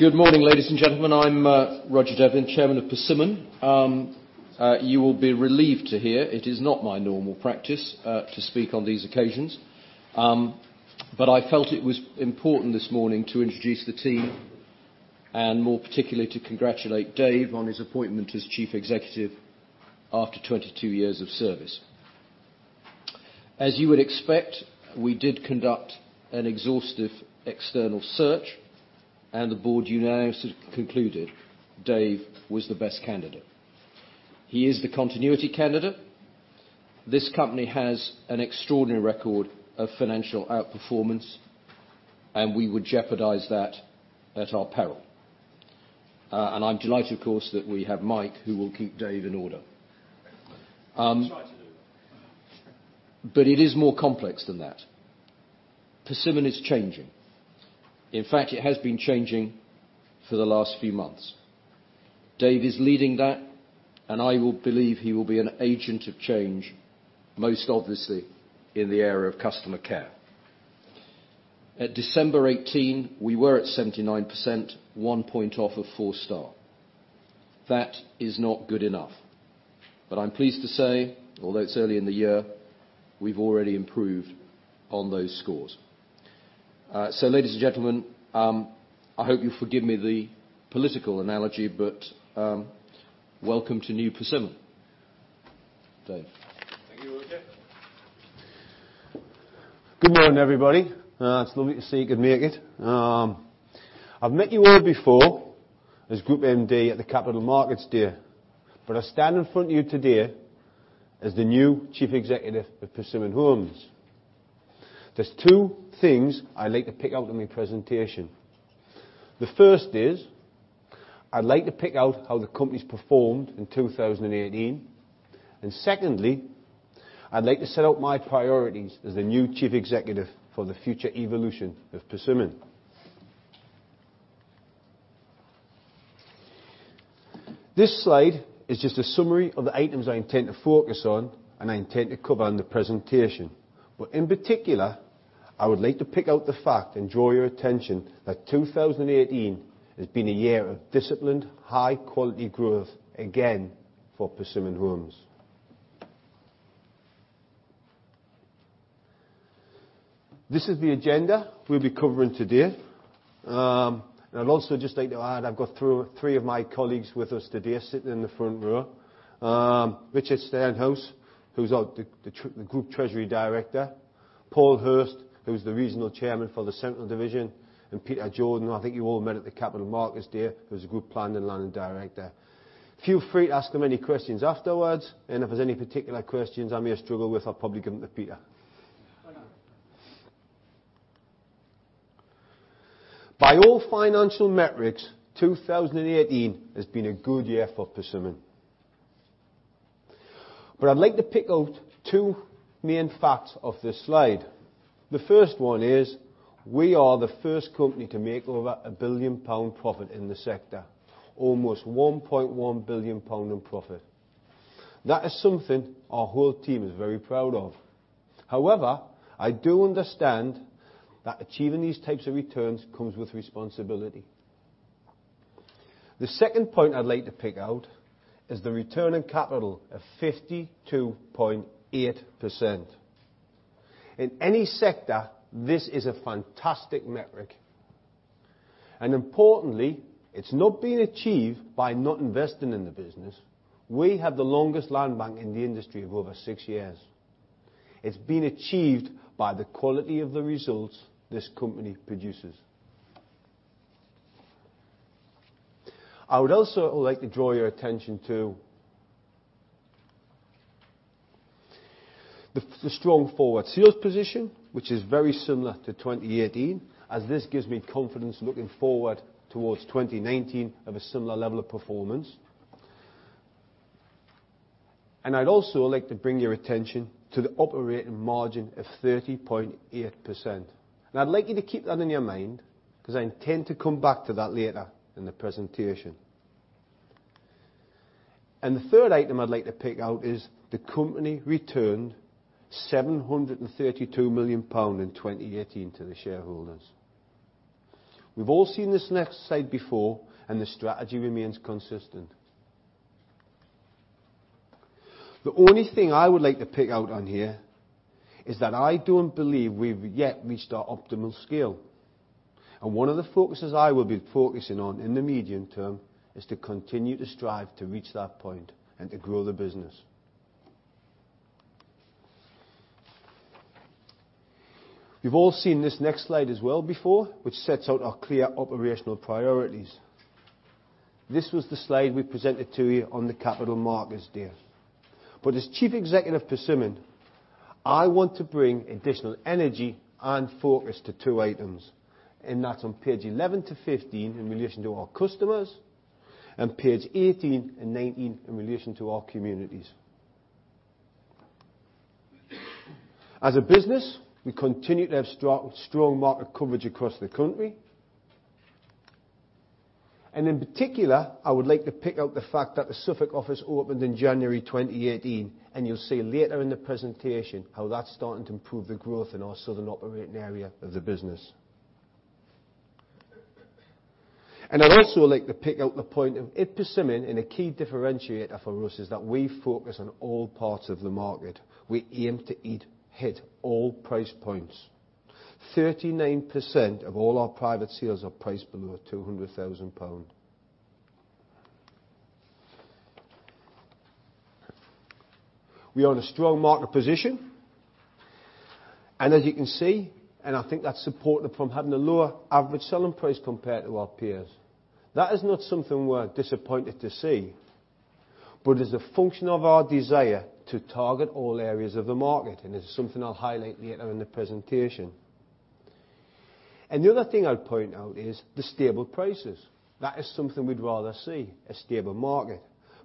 Good morning, ladies and gentlemen. I'm Roger Devlin, Chairman of Persimmon. You will be relieved to hear it is not my normal practice to speak on these occasions. I felt it was important this morning to introduce the team, and more particularly, to congratulate Dave on his appointment as Chief Executive after 22 years of service. As you would expect, we did conduct an exhaustive external search, and the board unanimously concluded Dave was the best candidate. He is the continuity candidate. This company has an extraordinary record of financial outperformance, and we would jeopardize that at our peril. I'm delighted, of course, that we have Mike, who will keep Dave in order. Try to do that. It is more complex than that. Persimmon is changing. In fact, it has been changing for the last few months. Dave is leading that, and I will believe he will be an agent of change, most obviously in the area of customer care. At December 2018, we were at 79%, one point off of four star. That is not good enough. I'm pleased to say, although it's early in the year, we've already improved on those scores. Ladies and gentlemen, I hope you forgive me the political analogy, but welcome to new Persimmon. Dave. Thank you, Roger. Good morning, everybody. It's lovely to see you could make it. I've met you all before as Group MD at the Capital Markets Day. I stand in front of you today as the new Chief Executive of Persimmon Homes. There's two things I'd like to pick out in my presentation. The first is I'd like to pick out how the company's performed in 2018, and secondly, I'd like to set out my priorities as the new Chief Executive for the future evolution of Persimmon. This slide is just a summary of the items I intend to focus on and I intend to cover in the presentation. In particular, I would like to pick out the fact and draw your attention that 2018 has been a year of disciplined, high quality growth again for Persimmon Homes. This is the agenda we'll be covering today. I'd also just like to add, I've got three of my colleagues with us today sitting in the front row. Richard Stenhouse, who's the Group Treasury Director, Paul Hurst, who's the Regional Chairman for the Central Division, and Peter Jordan, who I think you all met at the Capital Markets Day, who's the Group Planning and Land Director. Feel free to ask them any questions afterwards, and if there's any particular questions I may struggle with, I'll probably give them to Peter. By all financial metrics, 2018 has been a good year for Persimmon. I'd like to pick out two main facts of this slide. The first one is we are the first company to make over 1 billion pound profit in the sector, almost 1.1 billion pound in profit. That is something our whole team is very proud of. However, I do understand that achieving these types of returns comes with responsibility. The second point I'd like to pick out is the return in capital of 52.8%. In any sector, this is a fantastic metric, and importantly, it's not been achieved by not investing in the business. We have the longest land bank in the industry of over six years. It's been achieved by the quality of the results this company produces. I would also like to draw your attention to the strong forward sales position, which is very similar to 2018, as this gives me confidence looking forward towards 2019 of a similar level of performance. I'd also like to bring your attention to the operating margin of 30.8%. I'd like you to keep that in your mind, because I intend to come back to that later in the presentation. The third item I'd like to pick out is the company returned 732 million pound in 2018 to the shareholders. We've all seen this next slide before, and the strategy remains consistent. The only thing I would like to pick out on here is that I don't believe we've yet reached our optimal scale. One of the focuses I will be focusing on in the medium term is to continue to strive to reach that point and to grow the business. You've all seen this next slide as well before, which sets out our clear operational priorities. This was the slide we presented to you on the Capital Markets Day. As Chief Executive of Persimmon, I want to bring additional energy and focus to two items, and that's on page 11 to 15 in relation to our customers, and page 18 and 19 in relation to our communities. As a business, we continue to have strong market coverage across the country. In particular, I would like to pick out the fact that the Suffolk office opened in January 2018, and you'll see later in the presentation how that's starting to improve the growth in our southern operating area of the business. I'd also like to pick out the point of it Persimmon and a key differentiator for us is that we focus on all parts of the market. We aim to hit all price points. 39% of all our private sales are priced below 200,000 pound. We own a strong market position and as you can see, and I think that's supported from having a lower average selling price compared to our peers. That is not something we're disappointed to see, but as a function of our desire to target all areas of the market, and it's something I'll highlight later in the presentation. The other thing I'd point out is the stable prices. That is something we'd rather see, a stable market.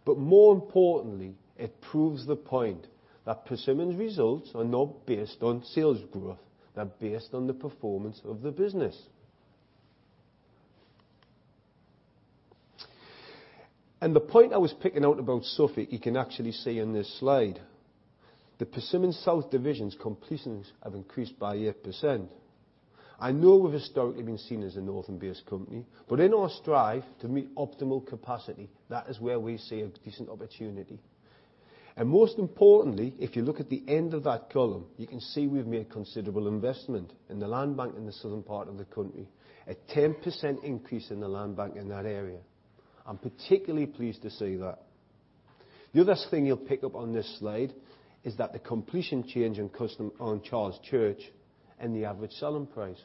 More importantly, it proves the point that Persimmon's results are not based on sales growth, they're based on the performance of the business. The point I was picking out about Suffolk, you can actually see in this slide. The Persimmon South Division's completions have increased by 8%. I know we've historically been seen as a northern-based company, but in our strive to meet optimal capacity, that is where we see a decent opportunity. Most importantly, if you look at the end of that column, you can see we've made considerable investment in the land bank in the southern part of the country, a 10% increase in the land bank in that area. I'm particularly pleased to see that. The other thing you'll pick up on this slide is that the completion change on Charles Church and the average selling price.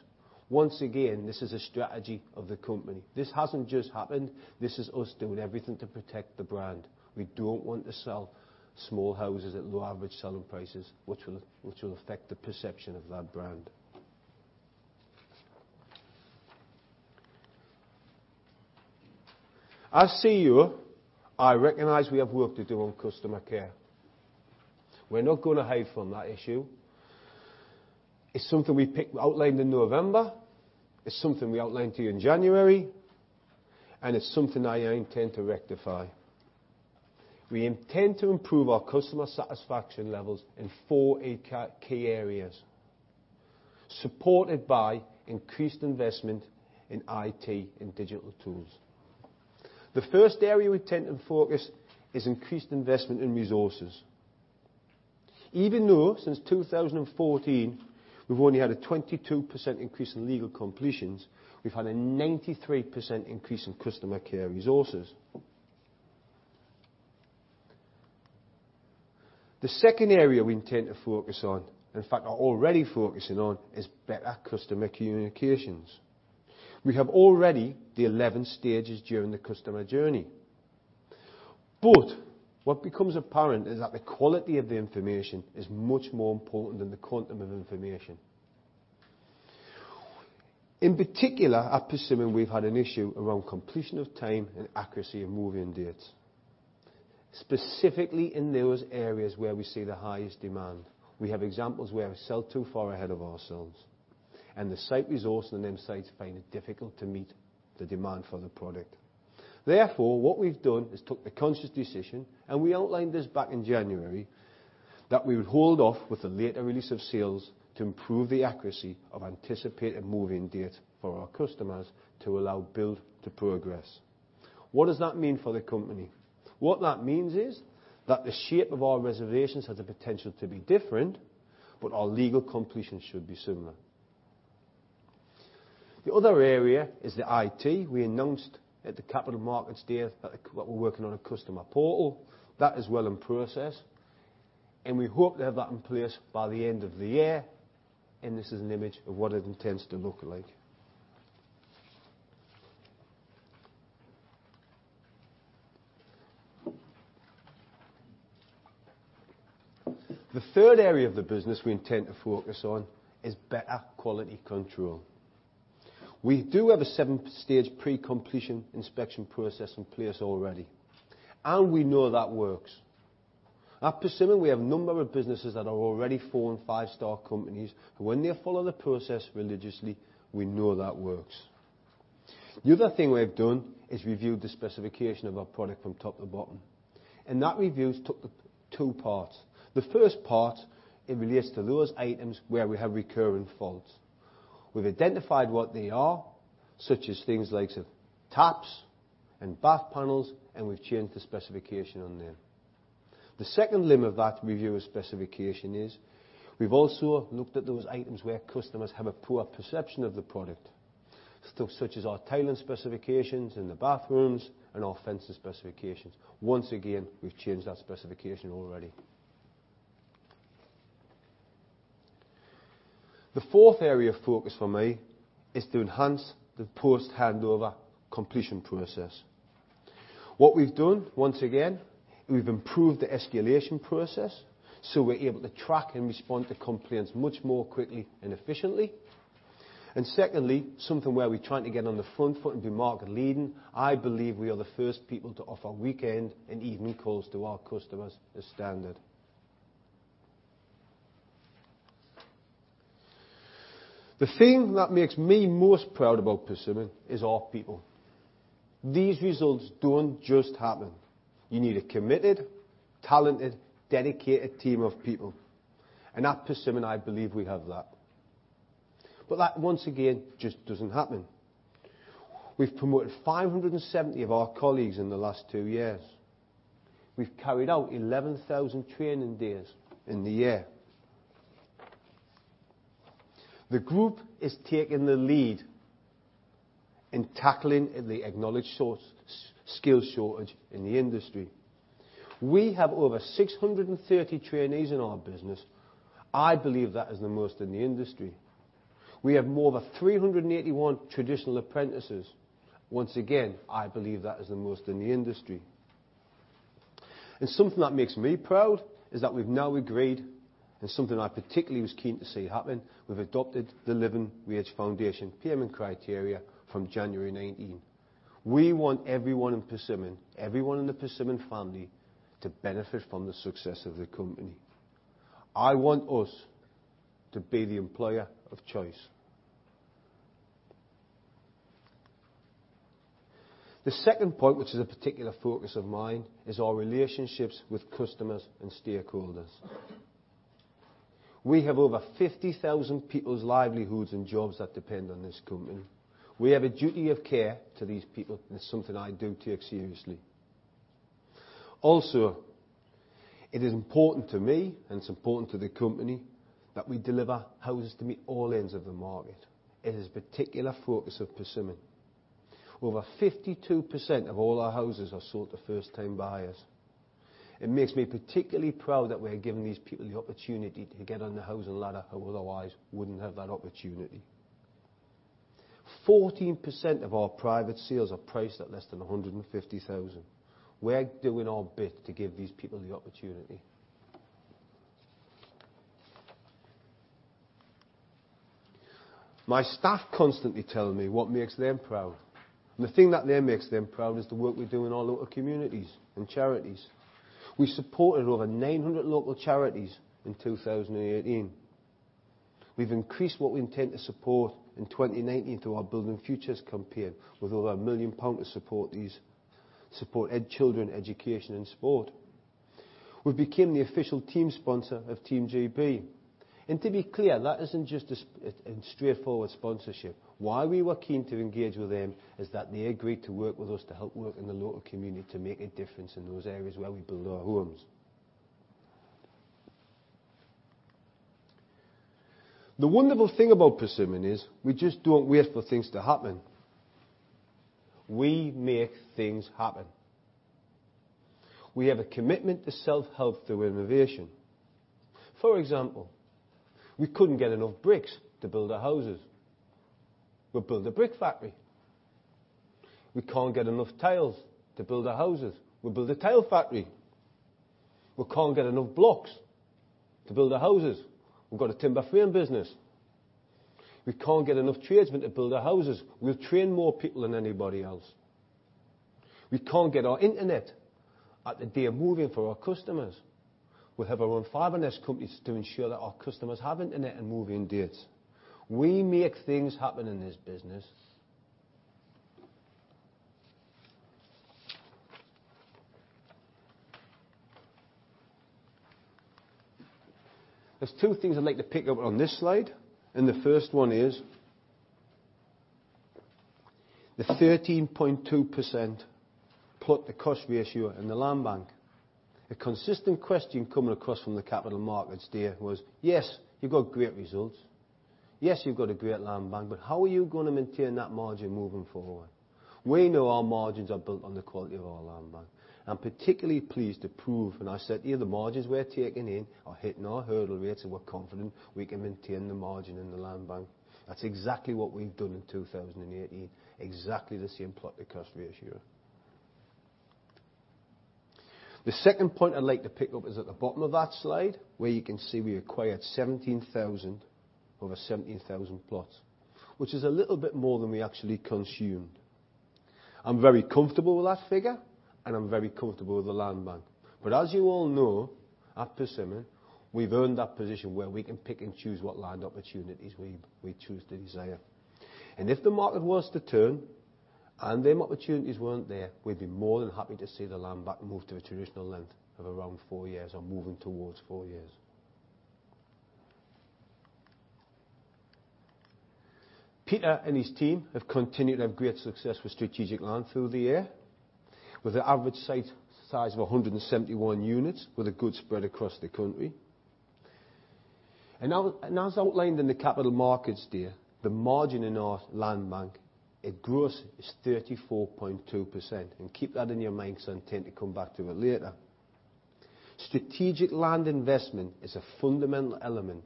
Once again, this is a strategy of the company. This hasn't just happened. This is us doing everything to protect the brand. We don't want to sell small houses at low average selling prices, which will affect the perception of that brand. As CEO, I recognize we have work to do on customer care. We're not going to hide from that issue. It's something we outlined in November. It's something we outlined to you in January, and it's something I intend to rectify. We intend to improve our customer satisfaction levels in four key areas, supported by increased investment in IT and digital tools. The first area we intend to focus is increased investment in resources. Even though, since 2014, we've only had a 22% increase in legal completions, we've had a 93% increase in customer care resources. The second area we intend to focus on, in fact, are already focusing on, is better customer communications. We have already the 11 stages during the customer journey. What becomes apparent is that the quality of the information is much more important than the quantum of information. In particular, at Persimmon, we've had an issue around completion of time and accuracy of move-in dates, specifically in those areas where we see the highest demand. We have examples where we sell too far ahead of ourselves and the site resource on them sites find it difficult to meet the demand for the product. Therefore, what we've done is took the conscious decision, and we outlined this back in January, that we would hold off with the later release of sales to improve the accuracy of anticipated move-in date for our customers to allow build to progress. What does that mean for the company? What that means is that the shape of our reservations has a potential to be different, but our legal completion should be similar. The other area is the IT. We announced at the Capital Markets Day that we're working on a customer portal. That is well in process, and we hope to have that in place by the end of the year, and this is an image of what it intends to look like. The third area of the business we intend to focus on is better quality control. We do have a 7-stage pre-completion inspection process in place already, and we know that works. At Persimmon, we have a number of businesses that are already four and five-star companies. When they follow the process religiously, we know that works. The other thing we've done is reviewed the specification of our product from top to bottom, and that review's took two parts. The first part, it relates to those items where we have recurring faults. We've identified what they are, such as things like taps and bath panels, and we've changed the specification on them. The second limb of that review of specification is we've also looked at those items where customers have a poor perception of the product, stuff such as our tiling specifications in the bathrooms and our fencing specifications. Once again, we've changed that specification already. The fourth area of focus for me is to enhance the post-handover completion process. What we've done, once again, we've improved the escalation process so we're able to track and respond to complaints much more quickly and efficiently. Secondly, something where we're trying to get on the front foot and be market leading, I believe we are the first people to offer weekend and evening calls to our customers as standard. The thing that makes me most proud about Persimmon is our people. These results don't just happen. You need a committed, talented, dedicated team of people, and at Persimmon, I believe we have that. That, once again, just doesn't happen. We've promoted 570 of our colleagues in the last two years. We've carried out 11,000 training days in the year. The group is taking the lead in tackling the acknowledged skills shortage in the industry. We have over 630 trainees in our business. I believe that is the most in the industry. We have more than 381 traditional apprentices. Once again, I believe that is the most in the industry. Something that makes me proud is that we've now agreed, and something I particularly was keen to see happen, we've adopted the Living Wage Foundation payment criteria from January 2019. We want everyone in Persimmon, everyone in the Persimmon family, to benefit from the success of the company. I want us to be the employer of choice. The second point, which is a particular focus of mine, is our relationships with customers and stakeholders. We have over 50,000 people's livelihoods and jobs that depend on this company. We have a duty of care to these people, and it's something I do take seriously. Also, it is important to me, and it's important to the company, that we deliver houses to meet all ends of the market. It is a particular focus of Persimmon. Over 52% of all our houses are sold to first-time buyers. It makes me particularly proud that we are giving these people the opportunity to get on the housing ladder who otherwise wouldn't have that opportunity. 14% of our private sales are priced at less than 150,000. We're doing our bit to give these people the opportunity. My staff constantly tell me what makes them proud, the thing that makes them proud is the work we do in our local communities and charities. We supported over 900 local charities in 2018. We've increased what we intend to support in 2019 through our Building Futures campaign, with over 1 million pounds to support children, education, and sport. We became the official team sponsor of Team GB. To be clear, that isn't just a straightforward sponsorship. Why we were keen to engage with them is that they agreed to work with us to help work in the local community to make a difference in those areas where we build our homes. The wonderful thing about Persimmon is we just don't wait for things to happen. We make things happen. We have a commitment to self-help through innovation. For example, we couldn't get enough bricks to build our houses. We build a brick factory. We can't get enough tiles to build our houses. We build a tile factory. We can't get enough blocks to build our houses. We've got a timber frame business. We can't get enough tradesmen to build our houses. We've trained more people than anybody else. We can't get our internet at the day of move-in for our customers. We have our own fibre and ISP companies to ensure that our customers have internet on move-in dates. We make things happen in this business. There's two things I'd like to pick up on this slide, the first one is the 13.2% plot to cost ratio in the land bank. A consistent question coming across from the Capital Markets Day was, "Yes, you've got great results. Yes, you've got a great land bank, how are you going to maintain that margin moving forward?" We know our margins are built on the quality of our land bank. I'm particularly pleased to prove, I said to you, the margins we're taking in are hitting our hurdle rates, and we're confident we can maintain the margin in the land bank. That's exactly what we've done in 2018, exactly the same plot to cost ratio. The second point I'd like to pick up is at the bottom of that slide, where you can see we acquired over 17,000 plots, which is a little bit more than we actually consumed. I'm very comfortable with that figure, and I'm very comfortable with the land bank. As you all know, at Persimmon, we've earned that position where we can pick and choose what land opportunities we choose to desire. If the market was to turn and them opportunities weren't there, we'd be more than happy to see the land bank move to a traditional length of around four years or moving towards four years. Peter and his team have continued to have great success with strategic land through the year, with an average site size of 171 units with a good spread across the country. As outlined in the Capital Markets Day, the margin in our land bank, at gross, is 34.2%, and keep that in your mind because I intend to come back to it later. Strategic land investment is a fundamental element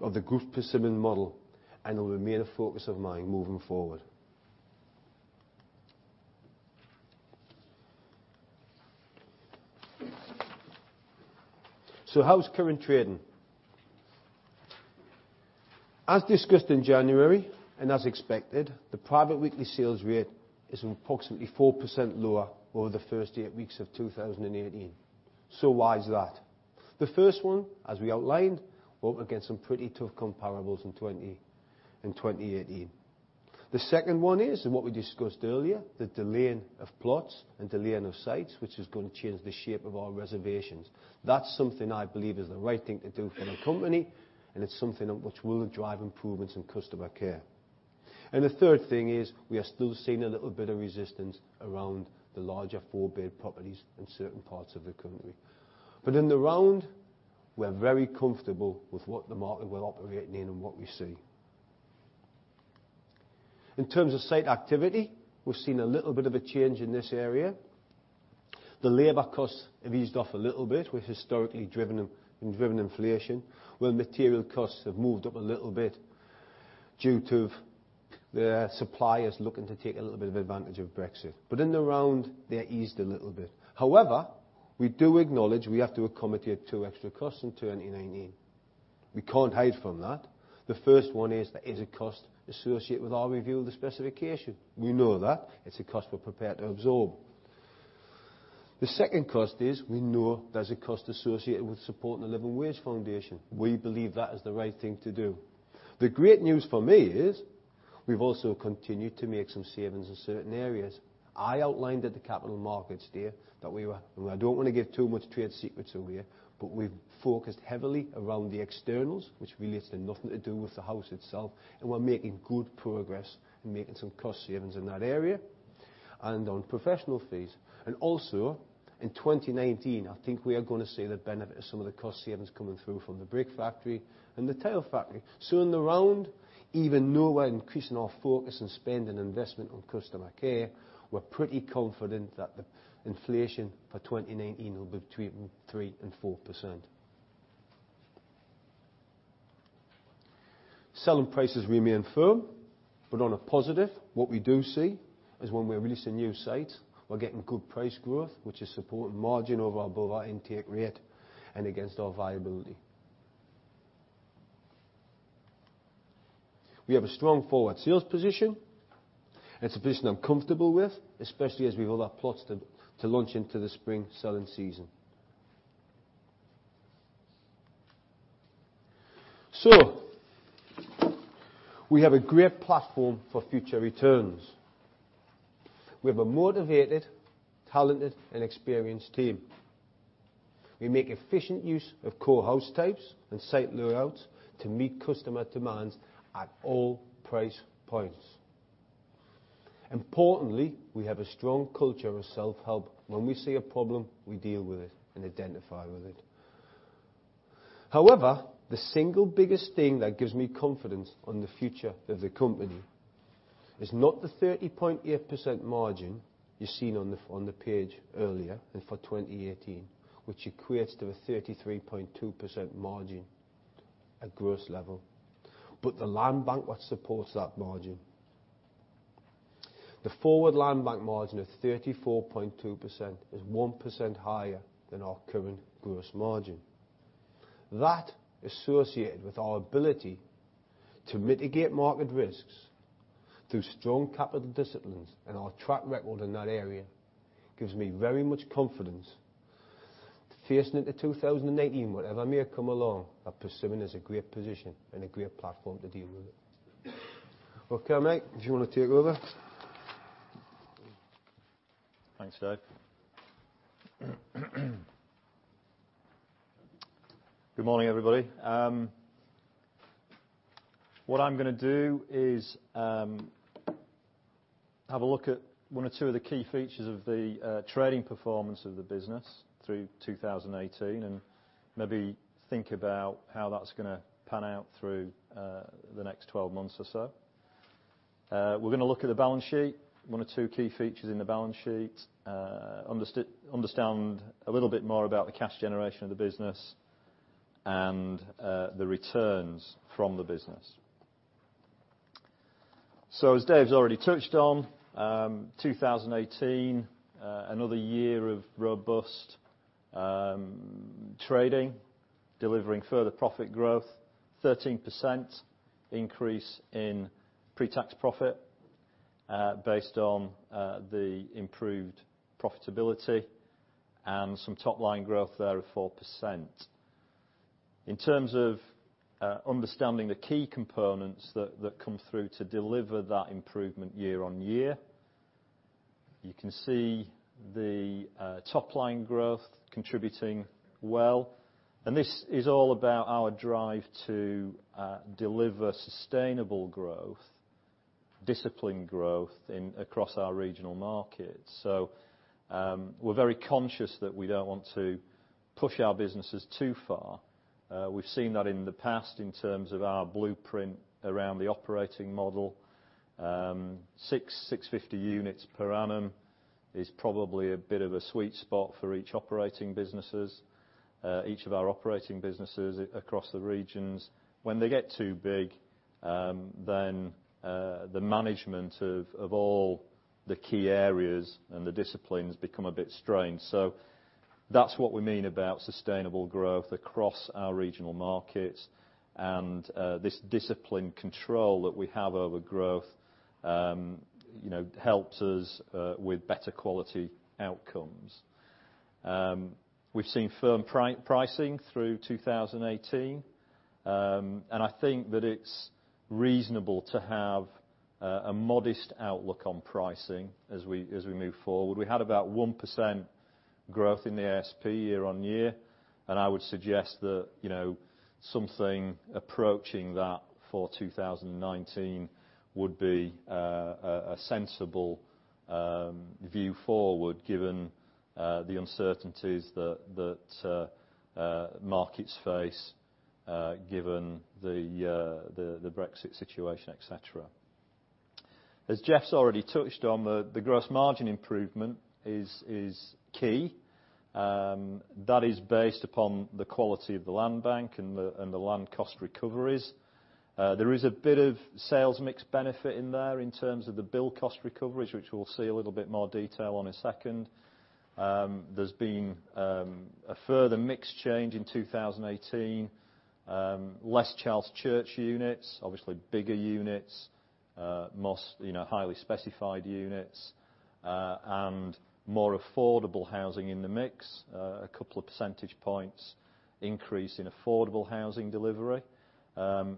of the Group Persimmon model and will remain a focus of mine moving forward. How's current trading? As discussed in January, as expected, the private weekly sales rate is approximately 4% lower over the first eight weeks of 2018. Why is that? The first one, as we outlined, we're up against some pretty tough comparables in 2018. The second one is, what we discussed earlier, the delaying of plots and delaying of sites, which is going to change the shape of our reservations. That's something I believe is the right thing to do for the company, and it's something which will drive improvements in customer care. The third thing is we are still seeing a little bit of resistance around the larger four-bed properties in certain parts of the country. In the round, we're very comfortable with what the market we're operating in and what we see. In terms of site activity, we've seen a little bit of a change in this area. The labor costs have eased off a little bit, which historically driven inflation. While material costs have moved up a little bit due to the suppliers looking to take a little bit of advantage of Brexit. In the round, they eased a little bit. However, we do acknowledge we have to accommodate two extra costs in 2019. We can't hide from that. The first one is there is a cost associated with our review of the specification. We know that. It's a cost we're prepared to absorb. The second cost is we know there's a cost associated with supporting the Living Wage Foundation. We believe that is the right thing to do. The great news for me is we've also continued to make some savings in certain areas. I outlined at the Capital Markets Day that we were, I don't want to give too much trade secrets away, but we've focused heavily around the externals, which relates to nothing to do with the house itself, and we're making good progress in making some cost savings in that area and on professional fees. Also, in 2019, I think we are going to see the benefit of some of the cost savings coming through from the brick factory and the tile factory. In the round, even though we're increasing our focus and spend and investment on customer care, we're pretty confident that the inflation for 2019 will be between 3% and 4%. Selling prices remain firm. On a positive, what we do see is when we're releasing new sites, we're getting good price growth, which is supporting margin over our above our intake rate and against our viability. We have a strong forward sales position. It's a position I'm comfortable with, especially as we've all our plots to launch into the spring selling season. We have a great platform for future returns. We have a motivated, talented, and experienced team. We make efficient use of core house types and site layouts to meet customer demands at all price points. Importantly, we have a strong culture of self-help. When we see a problem, we deal with it and identify with it. However, the single biggest thing that gives me confidence on the future of the company is not the 30.8% margin you seen on the page earlier for 2018, which equates to a 33.2% margin at gross level, but the land bank what supports that margin. The forward land bank margin of 34.2% is 1% higher than our current gross margin. That associated with our ability to mitigate market risks through strong capital disciplines and our track record in that area gives me very much confidence facing into 2019, whatever may come along, that Persimmon is a great position and a great platform to deal with it. Okay, Mike, do you want to take over? Thanks, Dave. Good morning, everybody. What I'm going to do is have a look at one or two of the key features of the trading performance of the business through 2018 and maybe think about how that's going to pan out through the next 12 months or so. We're going to look at the balance sheet, one or two key features in the balance sheet, understand a little bit more about the cash generation of the business and the returns from the business. As Dave's already touched on, 2018, another year of robust trading, delivering further profit growth, 13% increase in pre-tax profit based on the improved profitability and some top line growth there of 4%. In terms of understanding the key components that come through to deliver that improvement year on year, you can see the top line growth contributing well. This is all about our drive to deliver sustainable growth, disciplined growth across our regional markets. We're very conscious that we don't want to push our businesses too far. We've seen that in the past in terms of our blueprint around the operating model. 600-650 units per annum is probably a bit of a sweet spot for each operating businesses, each of our operating businesses across the regions. When they get too big, the management of all the key areas and the disciplines become a bit strained. That's what we mean about sustainable growth across our regional markets, and this disciplined control that we have over growth helps us with better quality outcomes. We've seen firm pricing through 2018. I think that it's reasonable to have a modest outlook on pricing as we move forward. We had about 1% growth in the ASP year on year, and I would suggest that something approaching that for 2019 would be a sensible view forward, given the uncertainties that markets face, given the Brexit situation, et cetera. As Dave's already touched on, the gross margin improvement is key. That is based upon the quality of the land bank and the land cost recoveries. There is a bit of sales mix benefit in there in terms of the build cost recoveries, which we'll see a little bit more detail on in a second. There's been a further mix change in 2018. Less Charles Church units, obviously bigger units, most highly specified units, and more affordable housing in the mix. A couple of percentage points increase in affordable housing delivery,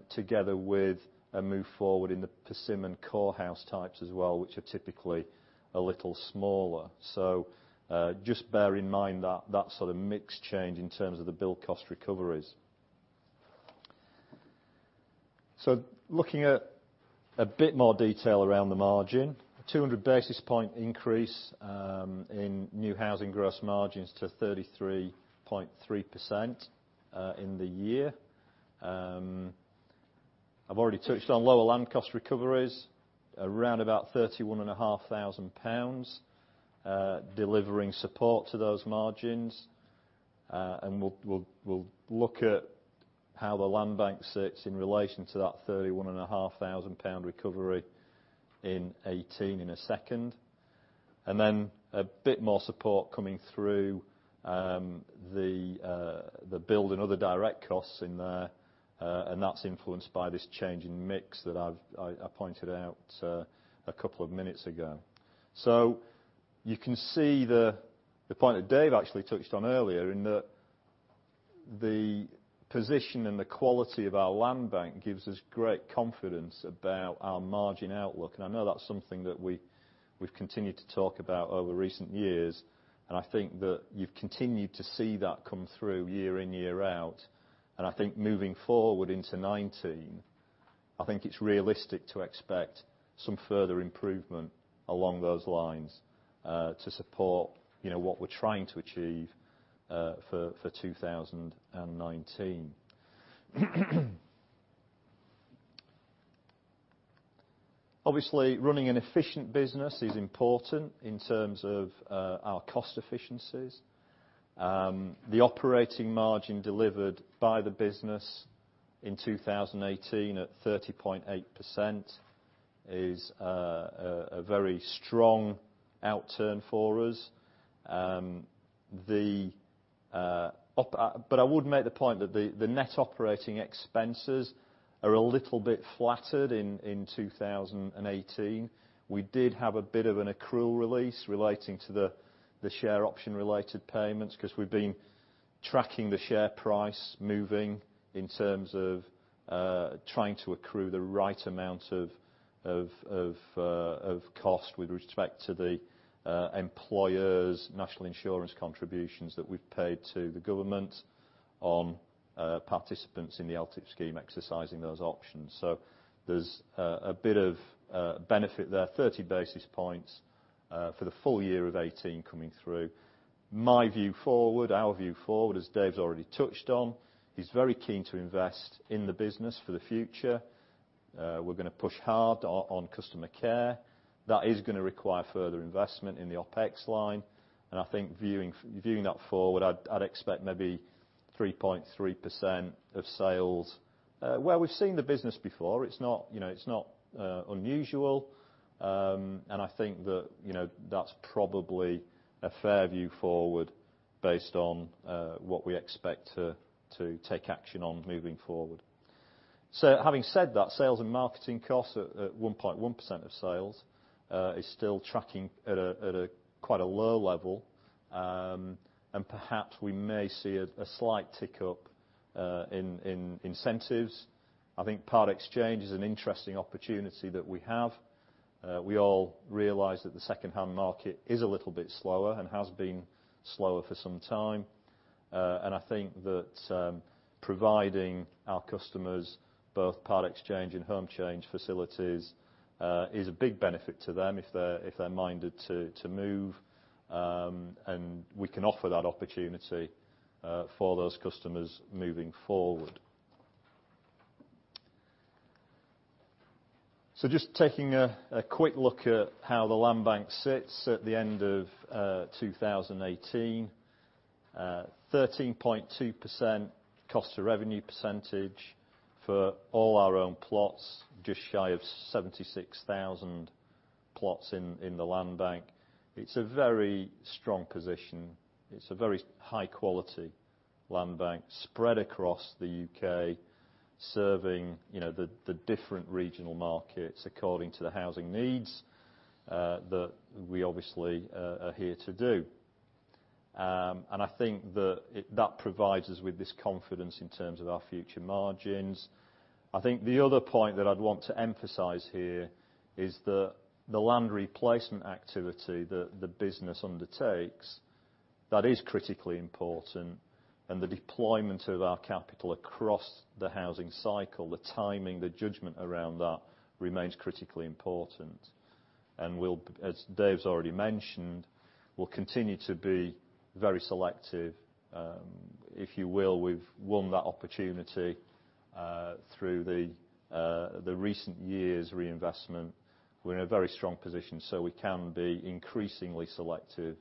together with a move forward in the Persimmon core house types as well, which are typically a little smaller. Just bear in mind that sort of mix change in terms of the build cost recoveries. Looking at a bit more detail around the margin, 200 basis point increase in new housing gross margins to 33.3% in the year. I've already touched on lower land cost recoveries, around about 31,500 pounds, delivering support to those margins. We'll look at how the land bank sits in relation to that 31,500 pound recovery in 2018 in a second. Then a bit more support coming through the build and other direct costs in there, and that's influenced by this change in mix that I pointed out a couple of minutes ago. You can see the point that Dave actually touched on earlier in that the position and the quality of our land bank gives us great confidence about our margin outlook. I know that's something that we've continued to talk about over recent years, and I think that you've continued to see that come through year in, year out. I think moving forward into 2019, I think it's realistic to expect some further improvement along those lines, to support what we're trying to achieve for 2019. Obviously, running an efficient business is important in terms of our cost efficiencies. The operating margin delivered by the business in 2018 at 30.8% is a very strong outturn for us. I would make the point that the net operating expenses are a little bit flattered in 2018. We did have a bit of an accrual release relating to the share option related payments, because we've been tracking the share price moving in terms of trying to accrue the right amount of cost with respect to the employer's national insurance contributions that we've paid to the government on participants in the LTIP scheme exercising those options. There's a bit of benefit there, 30 basis points for the full year of 2018 coming through. My view forward, our view forward, as Dave's already touched on, he's very keen to invest in the business for the future. We're going to push hard on customer care. That is going to require further investment in the OpEx line. I think viewing that forward, I'd expect maybe 3.3% of sales, where we've seen the business before. It's not unusual. I think that's probably a fair view forward based on what we expect to take action on moving forward. Having said that, sales and marketing costs at 1.1% of sales, is still tracking at a quite a low level. Perhaps we may see a slight tick up in incentives. I think part exchange is an interesting opportunity that we have. We all realize that the secondhand market is a little bit slower and has been slower for some time. I think that providing our customers both part exchange and Home Change facilities, is a big benefit to them if they're minded to move, and we can offer that opportunity for those customers moving forward. Just taking a quick look at how the land bank sits at the end of 2018. 13.2% cost of revenue percentage for all our own plots, just shy of 76,000 plots in the land bank. It's a very strong position. It's a very high quality land bank spread across the U.K., serving the different regional markets according to the housing needs that we obviously are here to do. I think that provides us with this confidence in terms of our future margins. I think the other point that I'd want to emphasize here is the land replacement activity that the business undertakes, that is critically important. The deployment of our capital across the housing cycle, the timing, the judgment around that remains critically important. As Dave's already mentioned, we'll continue to be very selective. If you will, we've won that opportunity through the recent years' reinvestment. We're in a very strong position, so we can be increasingly selective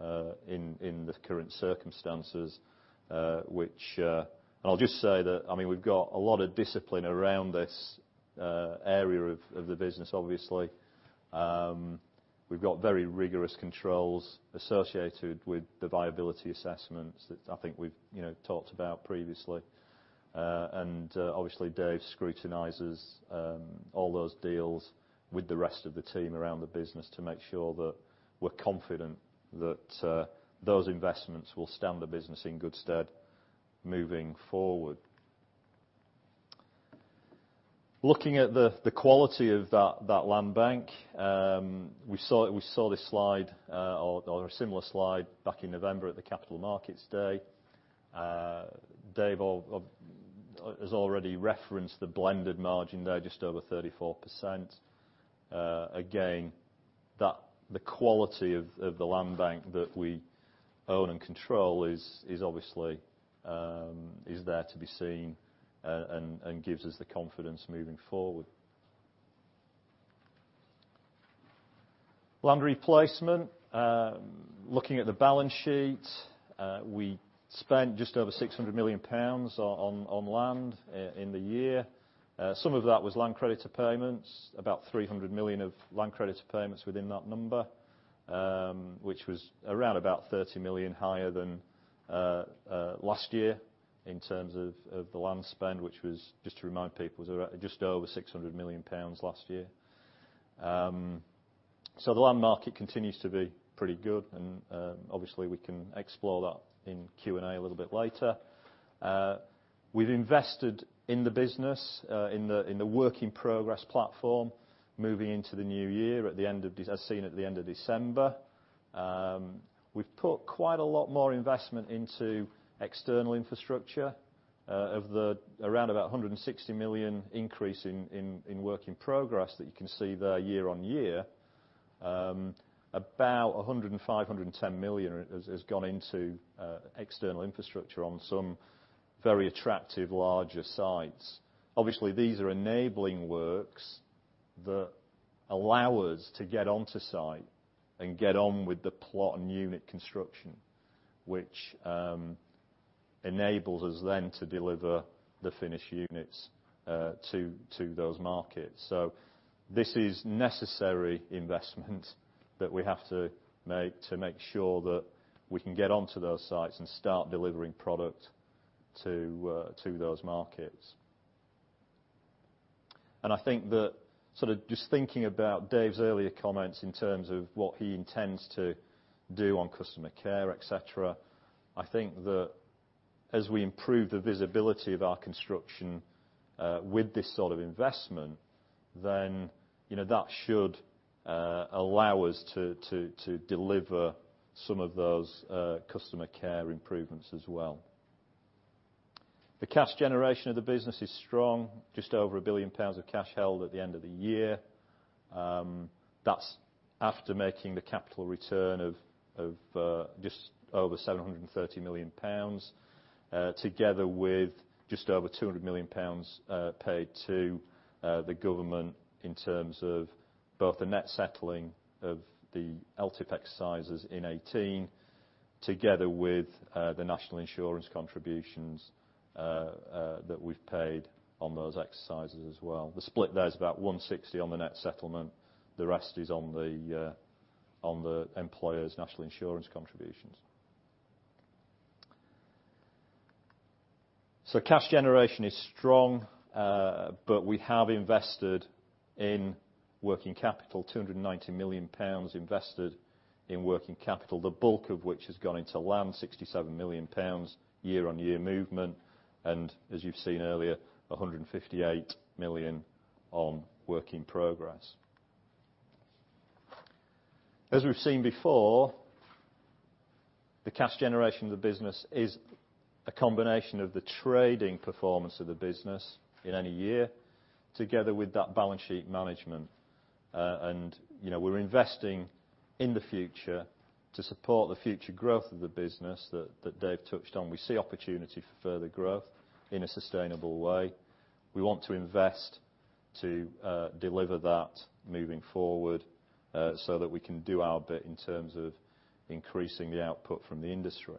in the current circumstances. I'll just say that we've got a lot of discipline around this area of the business obviously. We've got very rigorous controls associated with the viability assessments that I think we've talked about previously. Obviously, Dave scrutinizes all those deals with the rest of the team around the business to make sure that we're confident that those investments will stand the business in good stead moving forward. Looking at the quality of that land bank. We saw this slide or a similar slide back in November at the Capital Markets Day. Dave has already referenced the blended margin there, just over 34%. Again, the quality of the land bank that we own and control obviously is there to be seen and gives us the confidence moving forward. Land replacement. Looking at the balance sheet. We spent just over 600 million pounds on land in the year. Some of that was land creditor payments. About 300 million of land creditor payments within that number, which was around about 30 million higher than last year in terms of the land spend, which was, just to remind people, was just over 600 million pounds last year. The land market continues to be pretty good, and obviously we can explore that in Q&A a little bit later. We've invested in the business, in the work in progress platform moving into the new year as seen at the end of December. We've put quite a lot more investment into external infrastructure. Of the around about 160 million increase in work in progress that you can see there year-on-year. About 105 million, 110 million has gone into external infrastructure on some very attractive larger sites. Obviously, these are enabling works that allow us to get onto site and get on with the plot and unit construction, which enables us then to deliver the finished units to those markets. This is necessary investment that we have to make to make sure that we can get onto those sites and start delivering product to those markets. I think that sort of just thinking about Dave's earlier comments in terms of what he intends to do on customer care, et cetera. I think that as we improve the visibility of our construction with this sort of investment, then that should allow us to deliver some of those customer care improvements as well. The cash generation of the business is strong. Just over 1 billion pounds of cash held at the end of the year. That's after making the capital return of just over 730 million pounds, together with just over 200 million pounds paid to the government in terms of both the net settling of the LTIP exercises in 2018, together with the National Insurance contributions that we've paid on those exercises as well. The split there is about 160 on the net settlement. The rest is on the employer's National Insurance contributions. Cash generation is strong, but we have invested in working capital, 290 million pounds invested in working capital, the bulk of which has gone into land, 67 million pounds year-on-year movement. As you've seen earlier, 158 million on work in progress. As we've seen before, the cash generation of the business is a combination of the trading performance of the business in any year, together with that balance sheet management. We're investing in the future to support the future growth of the business that Dave touched on. We see opportunity for further growth in a sustainable way. We want to invest to deliver that moving forward so that we can do our bit in terms of increasing the output from the industry.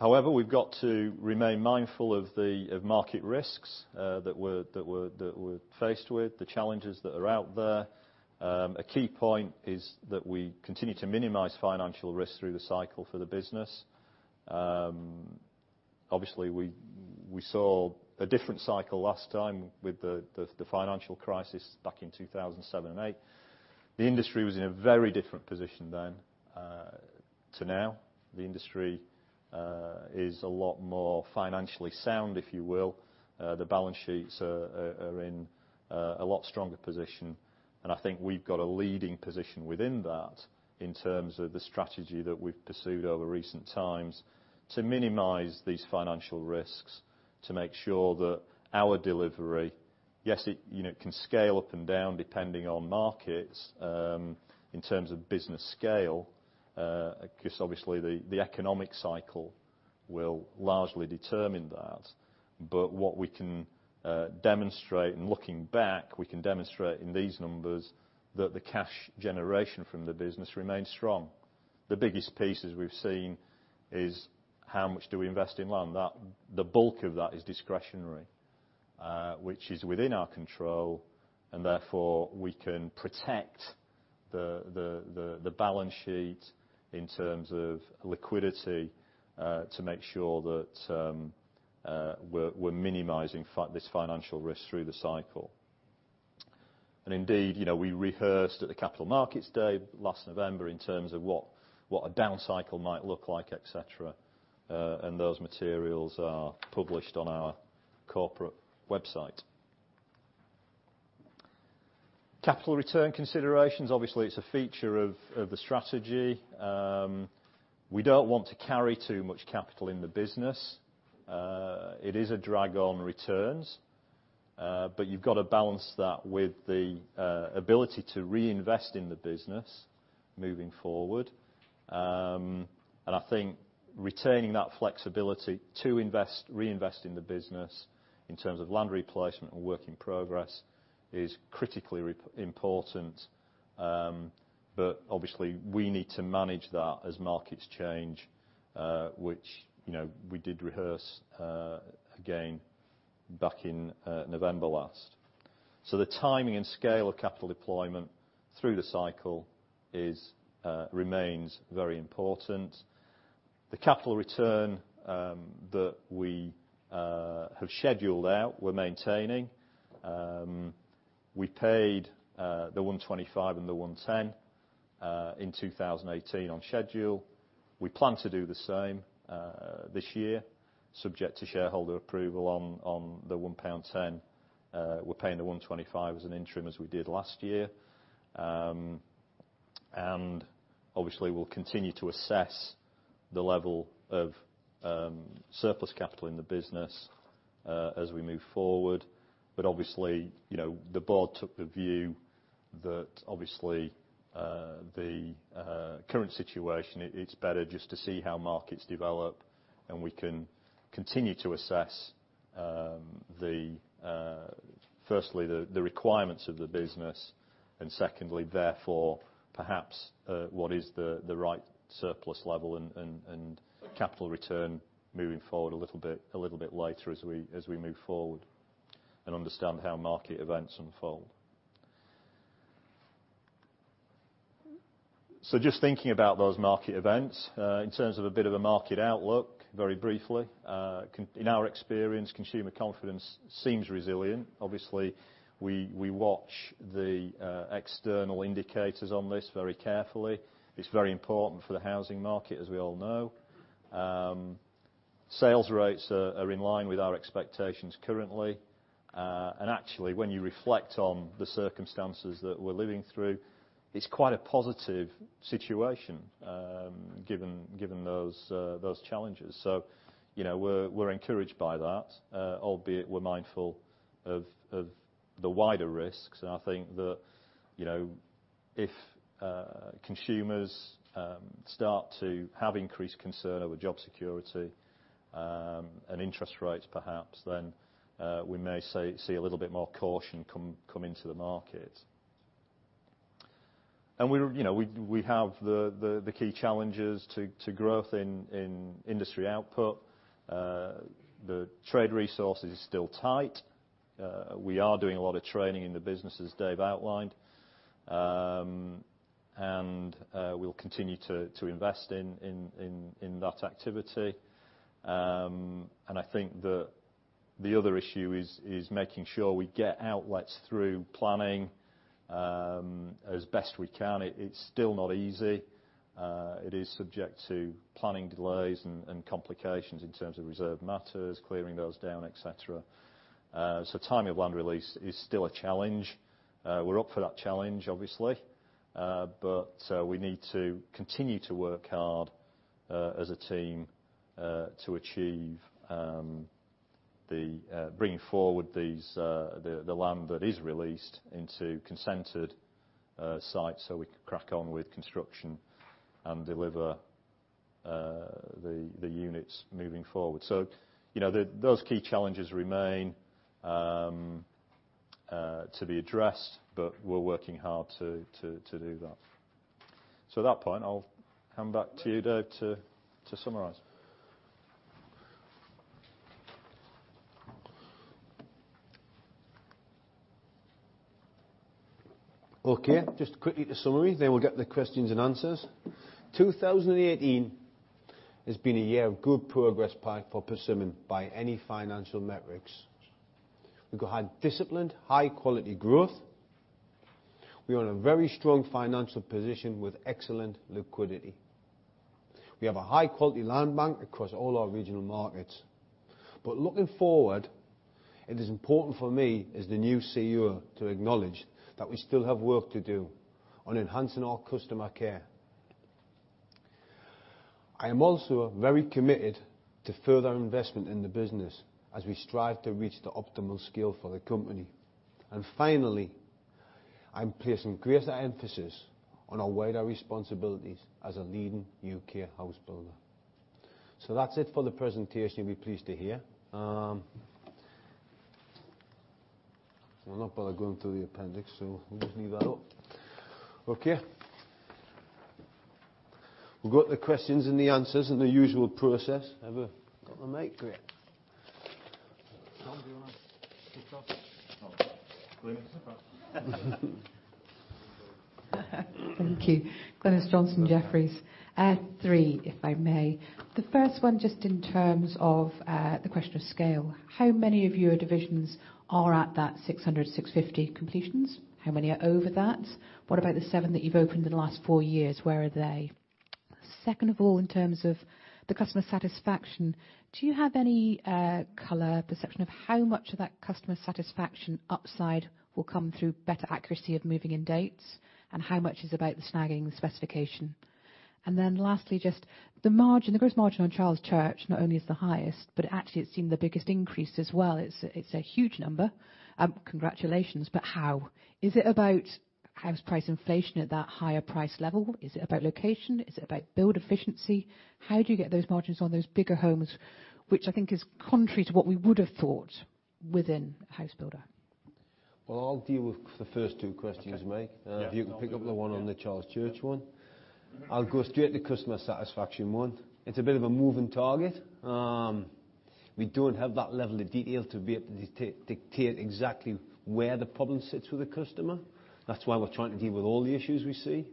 However, we've got to remain mindful of market risks that we're faced with, the challenges that are out there. A key point is that we continue to minimize financial risk through the cycle for the business. Obviously, we saw a different cycle last time with the financial crisis back in 2007 and 2008. The industry was in a very different position then to now. The industry is a lot more financially sound, if you will. The balance sheets are in a lot stronger position, I think we've got a leading position within that in terms of the strategy that we've pursued over recent times to minimize these financial risks, to make sure that our delivery, yes, it can scale up and down depending on markets in terms of business scale, because obviously the economic cycle will largely determine that. What we can demonstrate in looking back, we can demonstrate in these numbers that the cash generation from the business remains strong. The biggest pieces we've seen is how much do we invest in land. The bulk of that is discretionary, which is within our control, therefore, we can protect the balance sheet in terms of liquidity to make sure that we're minimizing this financial risk through the cycle. Indeed, we rehearsed at the Capital Markets Day last November in terms of what a down cycle might look like, et cetera. Those materials are published on our corporate website. Capital return considerations. Obviously, it's a feature of the strategy. We don't want to carry too much capital in the business. It is a drag on returns, but you've got to balance that with the ability to reinvest in the business moving forward. I think retaining that flexibility to reinvest in the business in terms of land replacement and work in progress is critically important. Obviously, we need to manage that as markets change, which we did rehearse again back in November last. The timing and scale of capital deployment through the cycle remains very important. The capital return that we have scheduled out, we're maintaining. We paid the 1.25 and the 1.10 in 2018 on schedule. We plan to do the same this year, subject to shareholder approval on the 1.10 pound. We're paying the 1.25 as an interim as we did last year. Obviously, we'll continue to assess the level of surplus capital in the business as we move forward. Obviously, the board took the view that obviously, the current situation, it's better just to see how markets develop, and we can continue to assess firstly, the requirements of the business, and secondly, therefore, perhaps what is the right surplus level and capital return moving forward a little bit later as we move forward and understand how market events unfold. Just thinking about those market events, in terms of a bit of a market outlook, very briefly. In our experience, consumer confidence seems resilient. Obviously, we watch the external indicators on this very carefully. It's very important for the housing market, as we all know. Sales rates are in line with our expectations currently. Actually, when you reflect on the circumstances that we're living through, it's quite a positive situation given those challenges. We're encouraged by that, albeit we're mindful of the wider risks. I think that if consumers start to have increased concern over job security and interest rates, perhaps, then we may see a little bit more caution come into the market. We have the key challenges to growth in industry output. The trade resource is still tight. We are doing a lot of training in the business, as Dave outlined. We'll continue to invest in that activity. I think that the other issue is making sure we get outlets through planning as best we can. It's still not easy. It is subject to planning delays and complications in terms of reserve matters, clearing those down, et cetera. Timing of land release is still a challenge. We're up for that challenge, obviously. We need to continue to work hard as a team to achieve bringing forward the land that is released into consented sites so we can crack on with construction and deliver the units moving forward. Those key challenges remain to be addressed, but we're working hard to do that. At that point, I'll hand back to you, Dave, to summarize. Okay. Just quickly the summary, then we'll get the questions and answers. 2018 has been a year of good progress for Persimmon by any financial metrics. We've got high disciplined, high quality growth. We are in a very strong financial position with excellent liquidity. We have a high-quality land bank across all our regional markets. Looking forward, it is important for me as the new CEO to acknowledge that we still have work to do on enhancing our customer care. I am also very committed to further investment in the business as we strive to reach the optimal scale for the company. Finally, I'm placing greater emphasis on our wider responsibilities as a leading U.K. house builder. That's it for the presentation, you'll be pleased to hear. I'll not bother going through the appendix, we'll just leave that up. Okay. We'll go to the questions and the answers and the usual process. Have I got the mic? Great. How do you want to kick off? No. Thank you. Glynis Johnson, Jefferies. Three, if I may. The first one just in terms of the question of scale. How many of your divisions are at that 600, 650 completions? How many are over that? What about the seven that you've opened in the last four years, where are they? Second of all, in terms of the customer satisfaction, do you have any color perception of how much of that customer satisfaction upside will come through better accuracy of moving-in dates? How much is about the snagging, the specification? Lastly, just the margin. The gross margin on Charles Church not only is the highest, actually it's seen the biggest increase as well. It's a huge number. Congratulations, how? Is it about house price inflation at that higher price level? Is it about location? Is it about build efficiency? How do you get those margins on those bigger homes, which I think is contrary to what we would have thought within a house builder. Well, I'll deal with the first two questions, Mike. Okay. Yeah. If you can pick up the one on the Charles Church one. I'll go straight to customer satisfaction one. It's a bit of a moving target. We don't have that level of detail to be able to dictate exactly where the problem sits with the customer. That's why we're trying to deal with all the issues we see.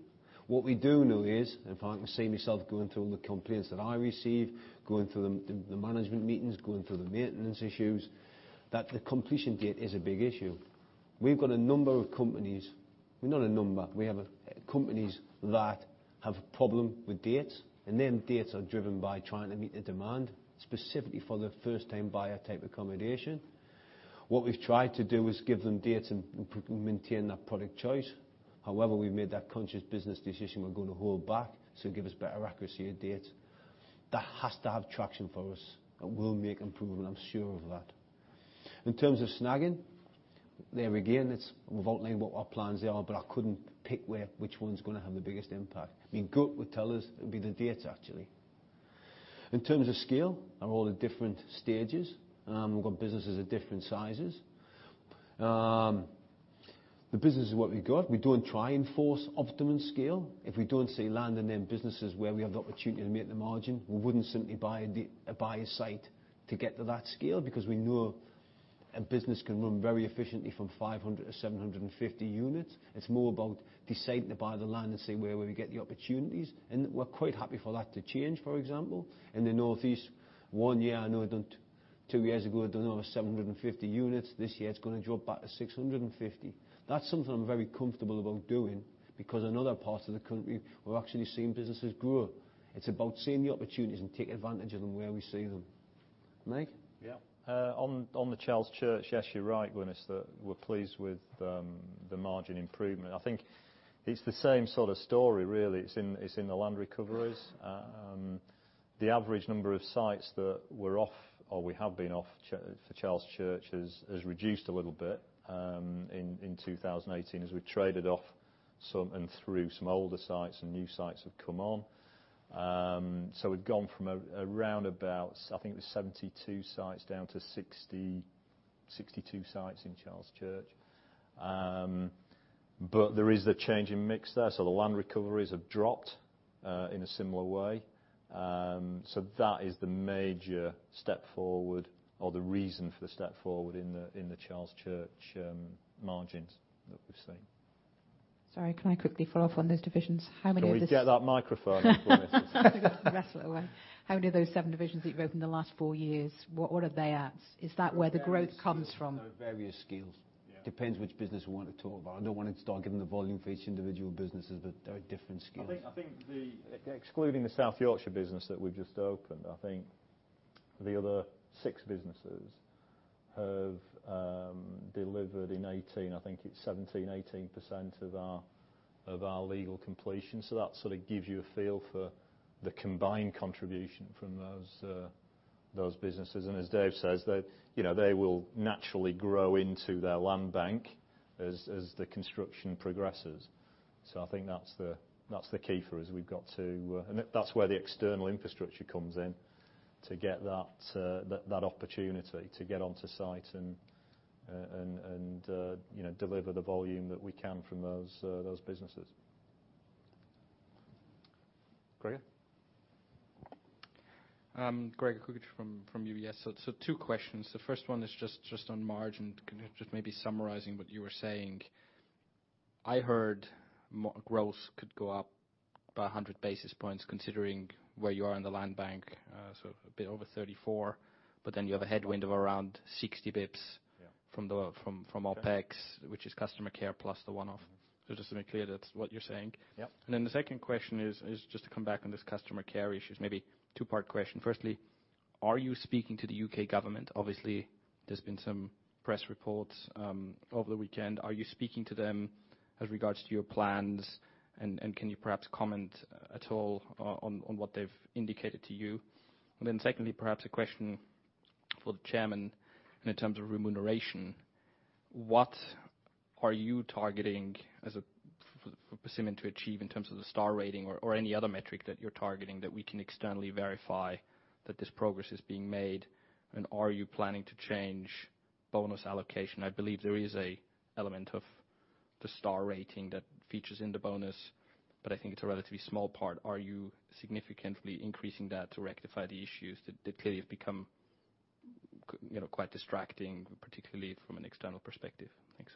What we do know is, if I can say myself, going through all the complaints that I receive, going through the management meetings, going through the maintenance issues, that the completion date is a big issue. We've got a number of companies. Well, not a number. We have companies that have a problem with dates, and them dates are driven by trying to meet the demand, specifically for the first-time buyer type accommodation. What we've tried to do is give them dates and maintain that product choice. We've made that conscious business decision we're going to hold back so give us better accuracy of dates. That has to have traction for us, and will make improvement, I'm sure of that. In terms of snagging, there again, we've outlined what our plans are, but I couldn't pick which one's going to have the biggest impact. I mean, gut would tell us it'd be the dates, actually. In terms of scale, are all at different stages. We've got businesses at different sizes. The business is what we've got. We don't try and force optimum scale. If we don't see land in them businesses where we have the opportunity to make the margin, we wouldn't simply buy a site to get to that scale because we know a business can run very efficiently from 500-750 units. It's more about deciding to buy the land and seeing where we get the opportunities. We're quite happy for that to change, for example. In the Northeast, one year, I know I done, two years ago, I done over 750 units. This year it's going to drop back to 650. That's something I'm very comfortable about doing because I know that part of the country, we're actually seeing businesses grow. It's about seeing the opportunities and taking advantage of them where we see them. Mike? Yeah. On the Charles Church, yes, you're right, Glynis, that we're pleased with the margin improvement. I think it's the same sort of story, really. It's in the land recoveries. The average number of sites that were off, or we have been off for Charles Church, has reduced a little bit in 2018 as we traded off some and through some older sites and new sites have come on. We'd gone from around about, I think it was 72 sites down to 60, 62 sites in Charles Church. There is the change in mix there. The land recoveries have dropped in a similar way. That is the major step forward or the reason for the step forward in the Charles Church margins that we've seen. Sorry, can I quickly follow up on those divisions? How many of those- Can we get that microphone in for us? I'll wrestle away. How many of those 7 divisions that you've opened in the last four years, what are they at? Is that where the growth comes from? They're various scales. Yeah. Depends which business we want to talk about. I don't want to start giving the volume for each individual businesses, there are different scales. I think excluding the South Yorkshire business that we've just opened, I think the other six businesses have delivered in 2018, I think it's 17, 18% of our legal completion. That sort of gives you a feel for the combined contribution from those businesses. As Dave says, they will naturally grow into their land bank as the construction progresses. So I think that's the key for us. That's where the external infrastructure comes in to get that opportunity to get onto site and deliver the volume that we can from those businesses. Gregor? Gregor Kuglitsch from UBS. Two questions. The first one is just on margin, just maybe summarizing what you were saying. I heard growth could go up by 100 basis points considering where you are in the land bank, so a bit over 34, but then you have a headwind of around 60 basis points- Yeah from OpEx, which is customer care plus the one-off. Just to make clear that's what you're saying. Yep. The second question is just to come back on this customer care issue. It's maybe a two-part question. Firstly, are you speaking to the U.K. government? Obviously, there's been some press reports over the weekend. Are you speaking to them as regards to your plans, and can you perhaps comment at all on what they've indicated to you? Secondly, perhaps a question for the chairman in terms of remuneration. What are you targeting for Persimmon to achieve in terms of the star rating or any other metric that you're targeting that we can externally verify that this progress is being made? Are you planning to change bonus allocation? I believe there is an element of the star rating that features in the bonus, but I think it's a relatively small part. Are you significantly increasing that to rectify the issues that clearly have become quite distracting, particularly from an external perspective? Thanks.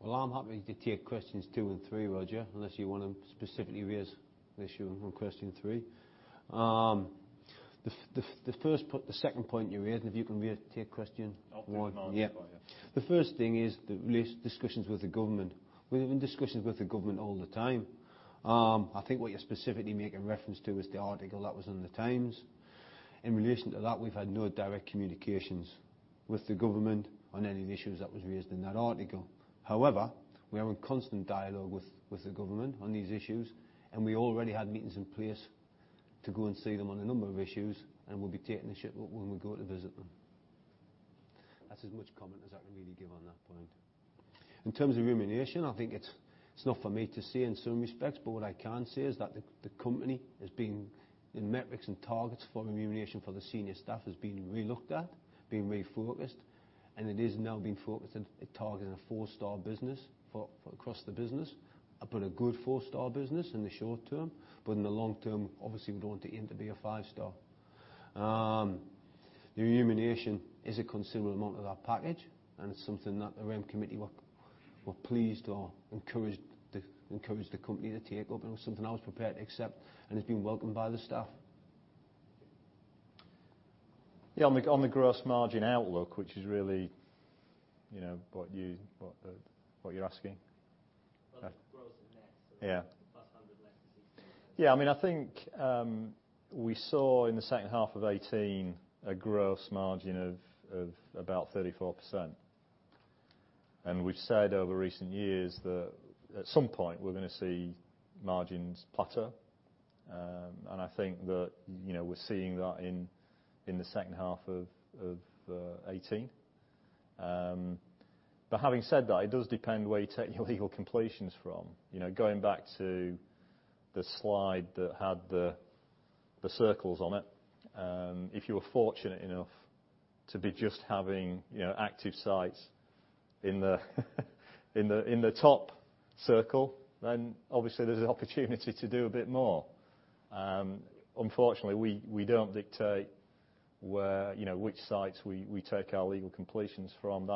Well, I'm happy to take questions 2 and 3, Roger, unless you want to specifically raise the issue on question 3. The second point you raised, if you can take question 1. On the margin. Yeah. The first thing is the discussions with the government. We're having discussions with the government all the time. I think what you're specifically making reference to is the article that was in The Times. In relation to that, we've had no direct communications with the government on any of the issues that was raised in that article. We are in constant dialogue with the government on these issues, and we already had meetings in place to go and see them on a number of issues, and we'll be taking this up when we go to visit them. That's as much comment as I can really give on that point. In terms of remuneration, I think it's not for me to say in some respects, but what I can say is that the company has been in metrics and targets for remuneration for the senior staff has been relooked at, been refocused, and it is now being focused and targeting a 4-star business for across the business, but a good 4-star business in the short term, but in the long term, obviously, we want it in to be a 5-star. Remuneration is a considerable amount of that package, and it's something that the Remuneration Committee were pleased or encouraged the company to take up, and it was something I was prepared to accept, and it's been welcomed by the staff. On the gross margin outlook, which is really what you're asking. Well, the gross and net- Yeah plus 100 less than 60. Yeah. I think we saw in the second half of 2018 a gross margin of about 34%. We've said over recent years that at some point we're going to see margins plateau. I think that we're seeing that in the second half of 2018. Having said that, it does depend where you take your legal completions from. Going back to the slide that had the circles on it, if you were fortunate enough to be just having active sites in the top circle, then obviously there's an opportunity to do a bit more. Unfortunately, we don't dictate which sites we take our legal completions from.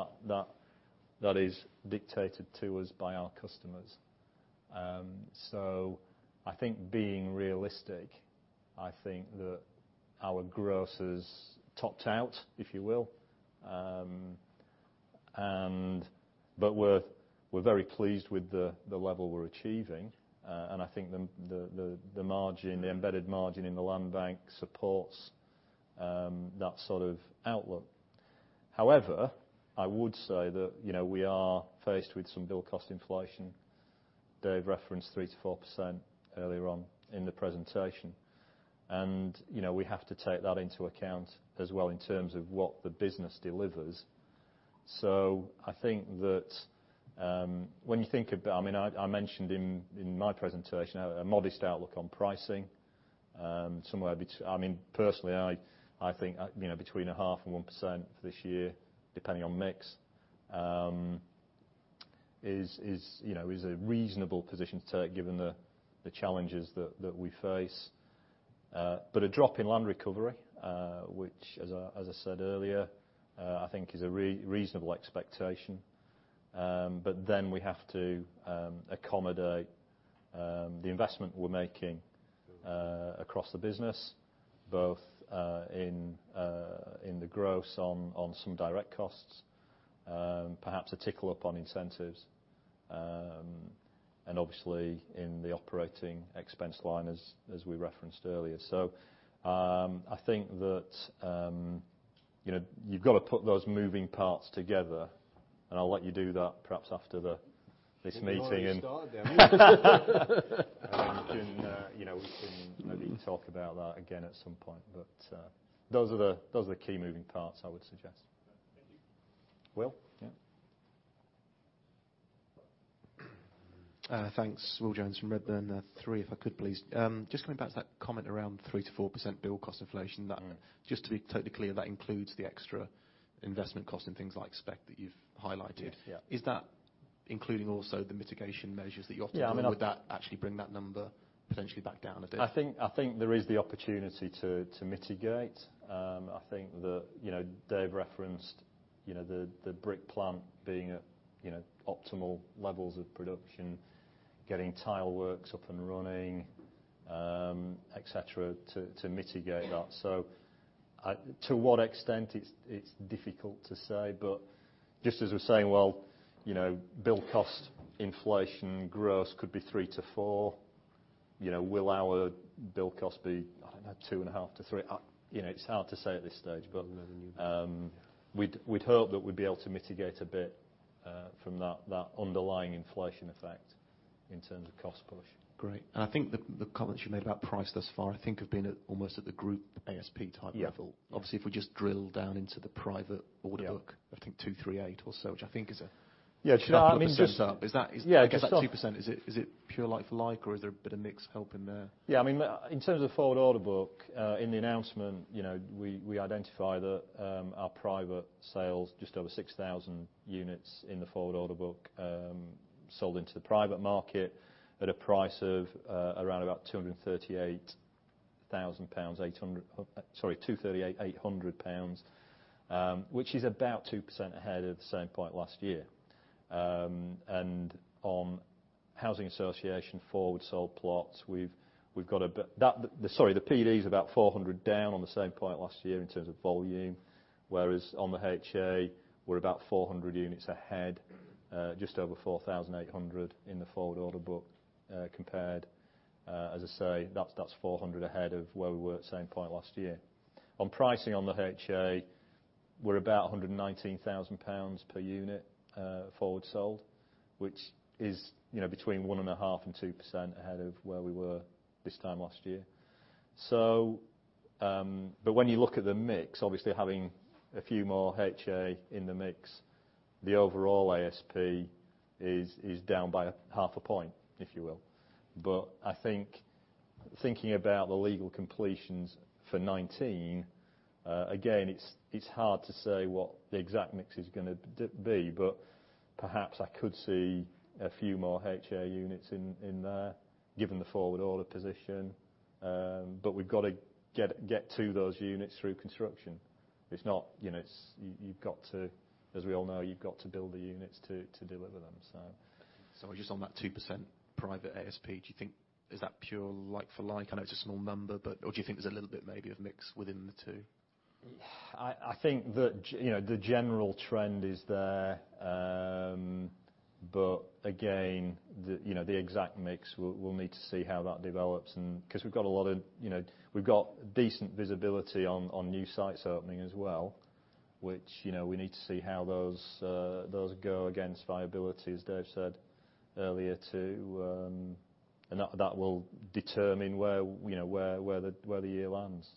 That is dictated to us by our customers. I think being realistic, I think that our gross has topped out, if you will. We're very pleased with the level we're achieving, and I think the embedded margin in the land bank supports that sort of outlook. However, I would say that we are faced with some build cost inflation. Dave referenced 3%-4% earlier on in the presentation. We have to take that into account as well in terms of what the business delivers. I think that when you think about I mentioned in my presentation a modest outlook on pricing. Personally, I think between a half and 1% for this year, depending on mix, is a reasonable position to take given the challenges that we face. A drop in land recovery, which, as I said earlier, I think is a reasonable expectation. We have to accommodate the investment we're making across the business, both in the gross on some direct costs, perhaps a tickle up on incentives, and obviously in the operating expense line as we referenced earlier. I think that you've got to put those moving parts together, and I'll let you do that perhaps after this meeting. We've already started then. We can maybe talk about that again at some point. Those are the key moving parts, I would suggest. Will? Yeah. Thanks. Will Jones from Redburn. Three if I could, please. Just coming back to that comment around 3%-4% build cost inflation, just to be totally clear, that includes the extra investment cost and things like spec that you've highlighted. Yeah. Is that including also the mitigation measures that you're offering? Yeah. Would that actually bring that number potentially back down a bit? I think there is the opportunity to mitigate. Dave referenced the brick plant being at optimal levels of production, getting tile works up and running, et cetera, to mitigate that. To what extent, it's difficult to say, but just as we're saying, well, build cost inflation gross could be 3%-4%. Will our build cost be, I don't know, 2.5%-3%? It's hard to say at this stage. The revenue. We'd hope that we'd be able to mitigate a bit from that underlying inflation effect in terms of cost push. Great. I think the comments you made about price thus far, I think have been almost at the group ASP type level. Yeah. Obviously, if we just drill down into the private order book. Yeah I think 238 or so, which I think is. Yeah. Should. 2% up. Is. Yeah. Is that 2%, is it pure like for like, or is there a bit of mix help in there? Yeah, in terms of the forward order book, in the announcement, we identify that our private sales, just over 6,000 units in the forward order book, sold into the private market at a price of around about 238,800 pounds, which is about 2% ahead of the same point last year. On housing association forward sold plots, the PD is about 400 down on the same point last year in terms of volume. Whereas on the HA, we're about 400 units ahead, just over 4,800 in the forward order book compared, as I say, that's 400 ahead of where we were at the same point last year. On pricing on the HA, we're about 119,000 pounds per unit forward sold, which is between 1.5% and 2% ahead of where we were this time last year. When you look at the mix, obviously having a few more HA in the mix, the overall ASP is down by half a point, if you will. I think thinking about the legal completions for 2019, again, it's hard to say what the exact mix is going to be, but perhaps I could see a few more HA units in there given the forward order position. We've got to get to those units through construction. As we all know, you've got to build the units to deliver them. Sorry, just on that 2% private ASP, do you think is that pure like for like? I know it's a small number, but do you think there's a little bit maybe of mix within the two? I think that the general trend is there. Again, the exact mix, we'll need to see how that develops, because we've got decent visibility on new sites opening as well, which we need to see how those go against viability, as Dave said earlier, too. That will determine where the year lands.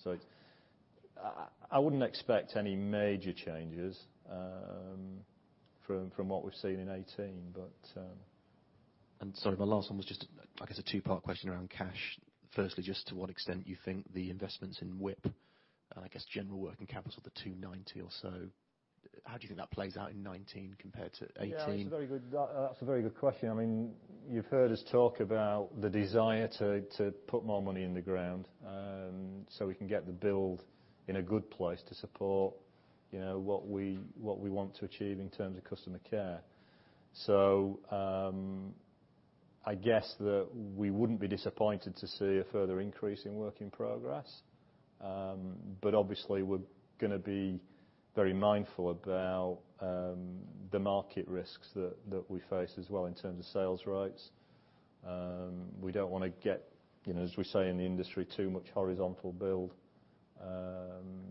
I wouldn't expect any major changes from what we've seen in 2018. Sorry, my last one was just, I guess a two-part question around cash. Firstly, just to what extent you think the investments in WIP and, I guess, general working capital, the 290 or so, how do you think that plays out in 2019 compared to 2018? Yeah, that's a very good question. You've heard us talk about the desire to put more money in the ground, we can get the build in a good place to support what we want to achieve in terms of customer care. I guess that we wouldn't be disappointed to see a further increase in work in progress. Obviously, we're going to be very mindful about the market risks that we face as well in terms of sales rights. We don't want to get, as we say in the industry, too much horizontal build,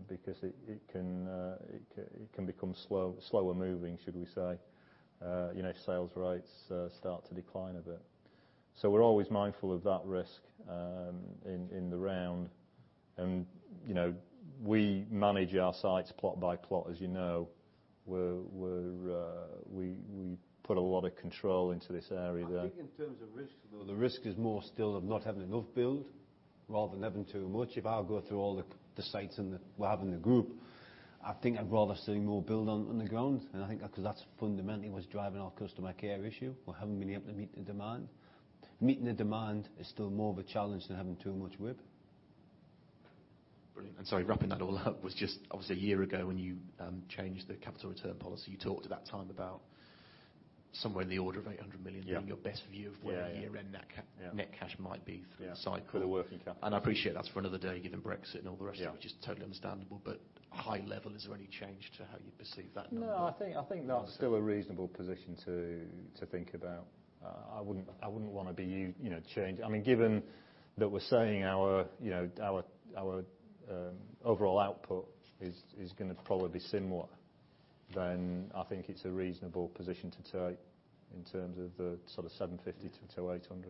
because it can become slower moving, should we say, if sales rights start to decline a bit. We're always mindful of that risk in the round. We manage our sites plot by plot, as you know. We put a lot of control into this area there. I think in terms of risk, though, the risk is more still of not having enough build rather than having too much. If I go through all the sites that we have in the group, I think I'd rather see more build on the ground because that's fundamentally what's driving our customer care issue. We haven't been able to meet the demand. Meeting the demand is still more of a challenge than having too much WIP. Brilliant. Sorry, wrapping that all up was just, obviously, a year ago when you changed the capital return policy, you talked at that time about somewhere in the order of 800 million- Yeah being your best view of where- Yeah the year-end net cash might be for the cycle. For the working capital. I appreciate that's for another day, given Brexit and all the rest of it- Yeah High level, is there any change to how you perceive that number? I think that's still a reasonable position to think about. I wouldn't want to change. Given that we're saying our overall output is going to probably be similar, I think it's a reasonable position to take in terms of the sort of 750-800.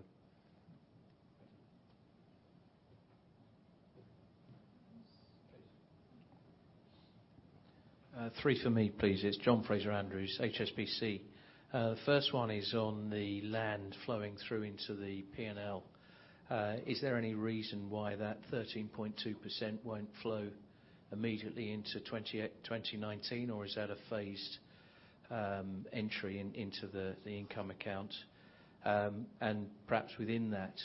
Three for me, please. It's John Fraser-Andrews, HSBC. First one is on the land flowing through into the P&L. Is there any reason why that 13.2% won't flow immediately into 2019, or is that a phased entry into the income account? Perhaps within that,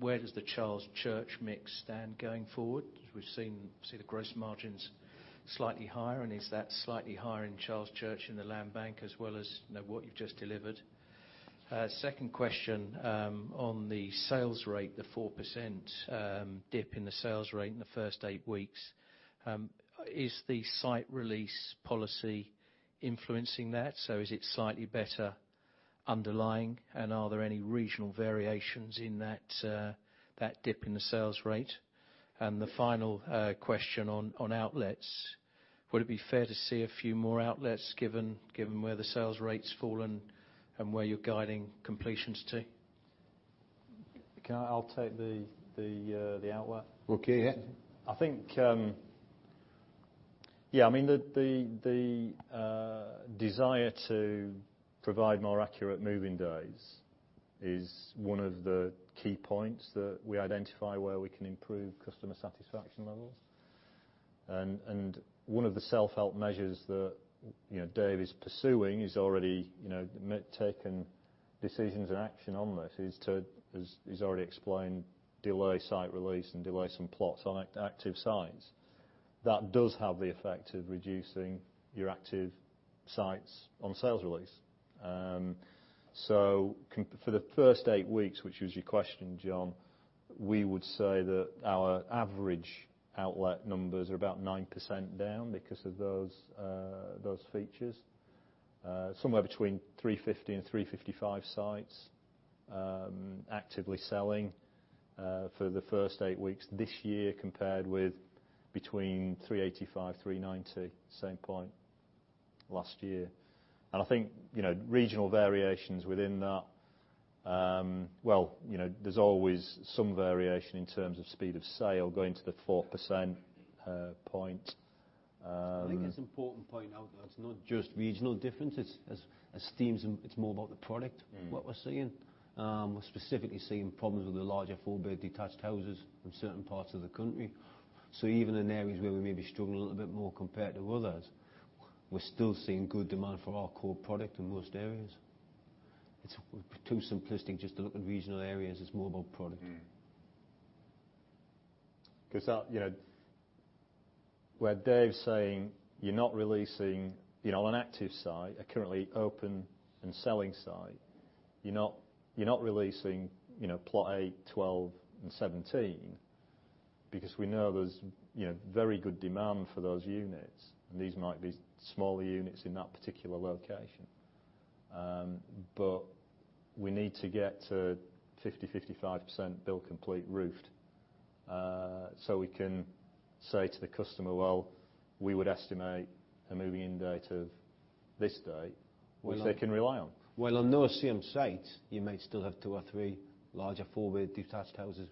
where does the Charles Church mix stand going forward? We've seen the gross margins slightly higher. Is that slightly higher in Charles Church in the land bank as well as what you've just delivered? Second question on the sales rate, the 4% dip in the sales rate in the first eight weeks. Is the site release policy influencing that? Is it slightly better underlying? Are there any regional variations in that dip in the sales rate? The final question on outlets. Would it be fair to see a few more outlets given where the sales rate's fallen and where you're guiding completions to? Can I? I'll take the outlet. Okay, yeah. I think, yeah, the desire to provide more accurate moving days is one of the key points that we identify where we can improve customer satisfaction levels. One of the self-help measures that Dave is pursuing, he's already taken decisions and action on this, is to, as he's already explained, delay site release and delay some plots on active sites. That does have the effect of reducing your active sites on sales release. So for the first eight weeks, which was your question, John, we would say that our average outlet numbers are about 9% down because of those features. Somewhere between 350 and 355 sites actively selling for the first eight weeks this year, compared with between 385, 390 same point last year. I think regional variations within that, well, there's always some variation in terms of speed of sale going to the 4% point. I think it's important to point out, though, it's not just regional differences. I mean it's more about the product. What we're seeing. We're specifically seeing problems with the larger four-bed detached houses in certain parts of the country. Even in areas where we may be struggling a little bit more compared to others, we're still seeing good demand for our core product in most areas. It's too simplistic just to look at regional areas. It's more about product. Where Dave's saying you're not releasing on an active site, a currently open and selling site, you're not releasing plot 8, 12 and 17 because we know there's very good demand for those units, and these might be smaller units in that particular location. We need to get to 50%, 55% build complete roofed, so we can say to the customer, "Well, we would estimate a moving in date of this date," which they can rely on. Well, on those same sites, you may still have two or three larger four-bed detached houses,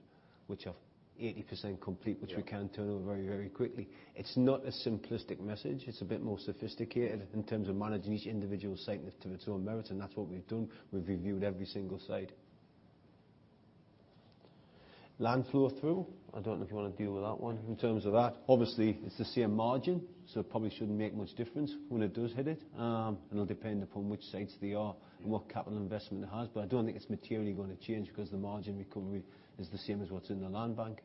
which are 80% complete. Yeah Which we can turn over very quickly. It's not a simplistic message. It's a bit more sophisticated in terms of managing each individual site to its own merit, and that's what we've done. We've reviewed every single site. Land flow through, I don't know if you want to deal with that one. In terms of that, obviously, it's the same margin, so it probably shouldn't make much difference when it does hit it. It'll depend upon which sites they are and what capital investment it has. I don't think it's materially going to change because the margin recovery is the same as what's in the land bank.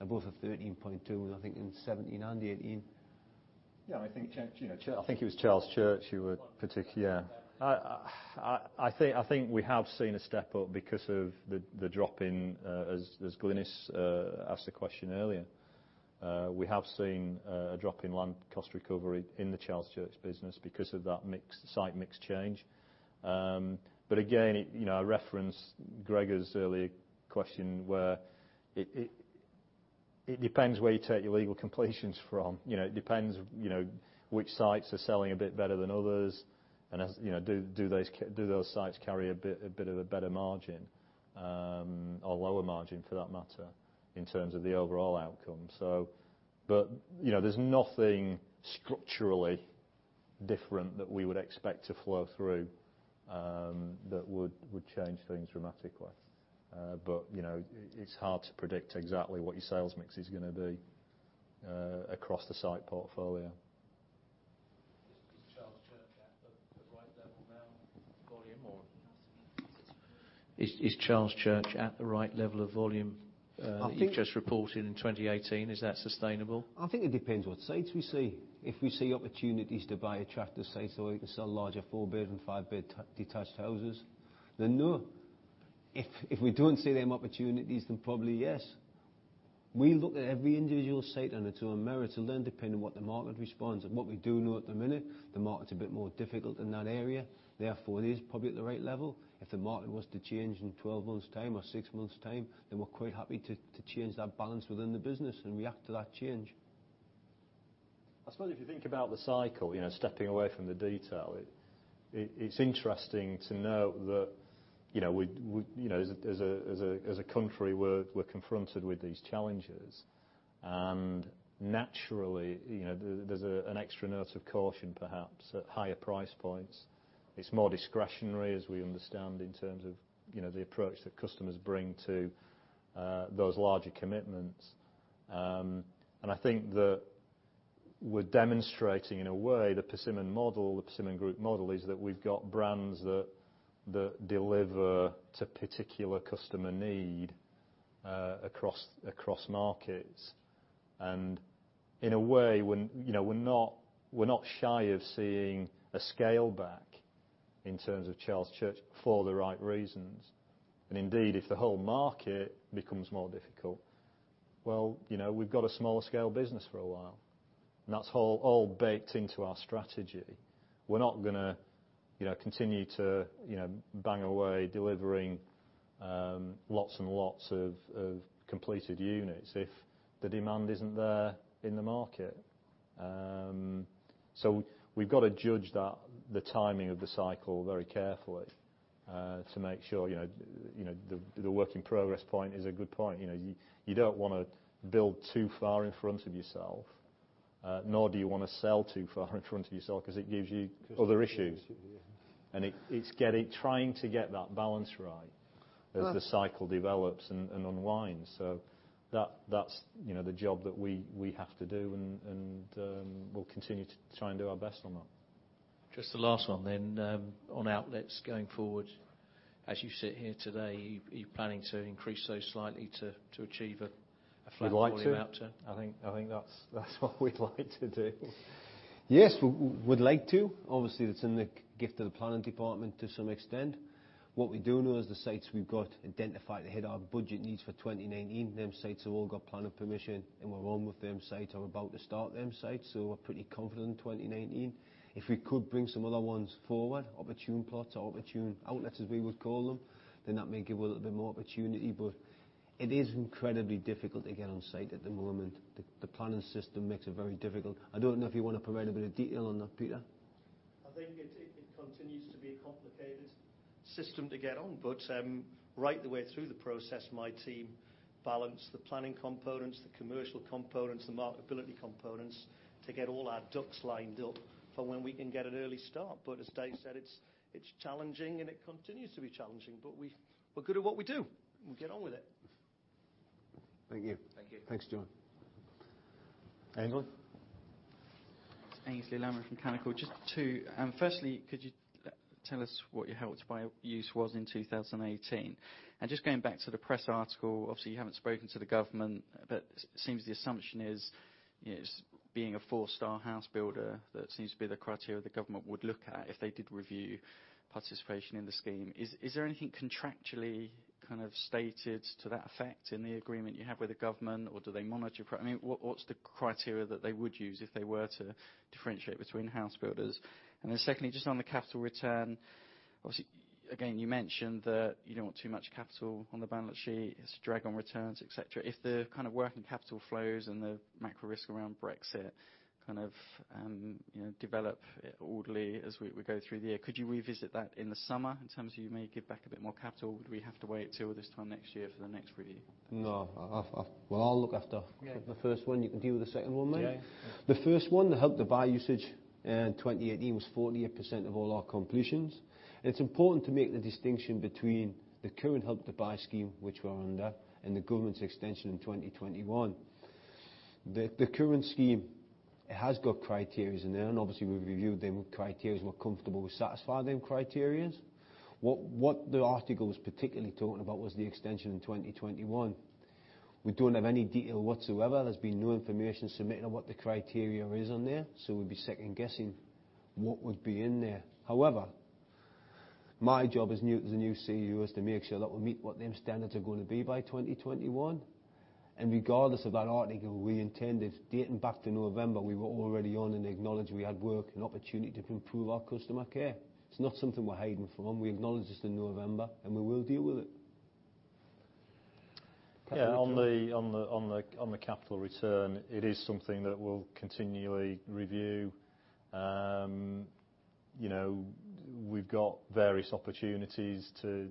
They both are 13.2%, and I think in 2017 and 2018. Yeah, I think it was Charles Church who were particular. I think we have seen a step up because of the drop in, as Glynis asked the question earlier. We have seen a drop in land cost recovery in the Charles Church business because of that site mix change. Again, I reference Gregor's earlier question where it depends where you take your legal completions from. It depends which sites are selling a bit better than others, and do those sites carry a bit of a better margin, or lower margin for that matter, in terms of the overall outcome. There's nothing structurally different that we would expect to flow through that would change things dramatically. It's hard to predict exactly what your sales mix is going to be across the site portfolio. Is Charles Church at the right level of volume now or? Is Charles Church at the right level of volume that you've just reported in 2018? Is that sustainable? I think it depends what sites we see. We see opportunities to buy attractive sites so we can sell larger four-bed and five-bed detached houses, then no. We don't see them opportunities, then probably, yes. We look at every individual site on its own merit, and then depending on what the market responds, and what we do know at the minute, the market's a bit more difficult in that area. It is probably at the right level. The market was to change in 12 months time or 6 months time, then we're quite happy to change that balance within the business and react to that change. I suppose if you think about the cycle, stepping away from the detail, it's interesting to note that as a country, we're confronted with these challenges. Naturally, there's an extra note of caution, perhaps, at higher price points. It's more discretionary, as we understand, in terms of the approach that customers bring to those larger commitments. I think that we're demonstrating, in a way, the Persimmon model, the Persimmon group model, is that we've got brands that deliver to particular customer need across markets. In a way, we're not shy of seeing a scale back in terms of Charles Church for the right reasons. Indeed, if the whole market becomes more difficult, well, we've got a smaller scale business for a while. That's all baked into our strategy. We're not going to continue to bang away delivering lots and lots of completed units if the demand isn't there in the market. We've got to judge the timing of the cycle very carefully to make sure the work in progress point is a good point. You don't want to build too far in front of yourself, nor do you want to sell too far in front of yourself because it gives you other issues. Yes. It's trying to get that balance right as the cycle develops and unwinds. That's the job that we have to do, and we'll continue to try and do our best on that. Just the last one then. On outlets going forward, as you sit here today, are you planning to increase those slightly to achieve a flat volume outlet? We'd like to. I think that's what we'd like to do. Yes. We'd like to. Obviously, that's in the gift of the planning department to some extent. What we do know is the sites we've got identified to hit our budget needs for 2019, them sites have all got planning permission, and we're on with them site or about to start them sites. We're pretty confident in 2019. If we could bring some other ones forward, opportune plots or opportune outlets, as we would call them, then that may give a little bit more opportunity. It is incredibly difficult to get on site at the moment. The planning system makes it very difficult. I don't know if you want to provide a bit of detail on that, Peter. I think it continues to be a complicated system to get on, but right the way through the process, my team balanced the planning components, the commercial components, the marketability components to get all our ducks lined up for when we can get an early start. As Dave said, it's challenging, and it continues to be challenging, but we're good at what we do, and we get on with it. Thank you. Thank you. Thanks, John. Aynsley? Aynsley Lammin from Canaccord Genuity. Just two. Could you tell us what your Help to Buy use was in 2018? Just going back to the press article, obviously, you haven't spoken to the government, but it seems the assumption is, being a four-star house builder, that seems to be the criteria the government would look at if they did review participation in the scheme. Is there anything contractually kind of stated to that effect in the agreement you have with the government? Do they monitor What's the criteria that they would use if they were to differentiate between house builders? Secondly, just on the capital return, obviously, again, you mentioned that you don't want too much capital on the balance sheet. It's a drag on returns, et cetera. If the kind of working capital flows and the macro risk around Brexit develop orderly as we go through the year, could you revisit that in the summer in terms of you may give back a bit more capital? Would we have to wait till this time next year for the next review? No. Well, Yeah The first one. You can deal with the second one, Mike. Yeah. The first one, the Help to Buy usage in 2018 was 48% of all our completions. It's important to make the distinction between the current Help to Buy scheme, which we're under, and the government's extension in 2021. The current scheme has got criteria in there, and obviously, we've reviewed them criteria. We're comfortable we satisfy them criteria. What the article was particularly talking about was the extension in 2021. We don't have any detail whatsoever. There's been no information submitted on what the criteria is on there. We'd be second guessing what would be in there. However, my job as the new CEO is to make sure that we meet what them standards are going to be by 2021. Regardless of that article, we intended, dating back to November, we were already on and acknowledged we had work and opportunity to improve our customer care. It's not something we're hiding from. We acknowledged this in November. We will deal with it. Yeah. On the capital return, it is something that we'll continually review. We've got various opportunities to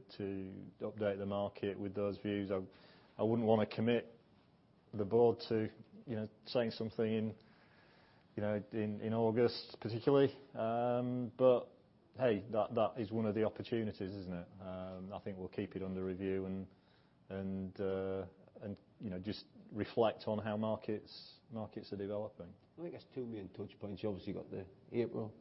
update the market with those views. I wouldn't want to commit the board to saying something in August, particularly. Hey, that is one of the opportunities, isn't it? I think we'll keep it under review and just reflect on how markets are developing. I think there's two main touch points. You obviously got the April.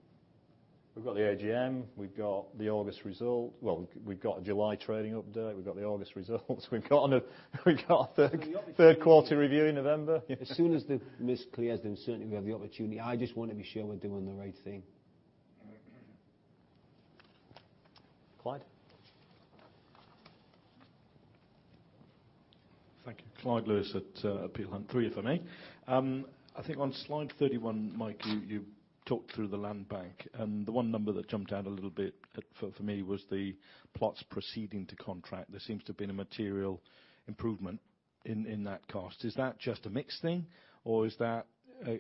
We've got the AGM. We've got the August result. Well, we've got a July trading update. We've got the August results. We've got our You've got third quarterly review in November. As soon as the mist clears, then certainly we have the opportunity. I just want to be sure we're doing the right thing. Clyde? Thank you. Clyde Lewis at Peel Hunt. Three if I may. I think on slide 31, Mike, you Talk through the land bank. The one number that jumped out a little bit for me was the plots proceeding to contract. There seems to have been a material improvement in that cost. Is that just a mix thing or is that,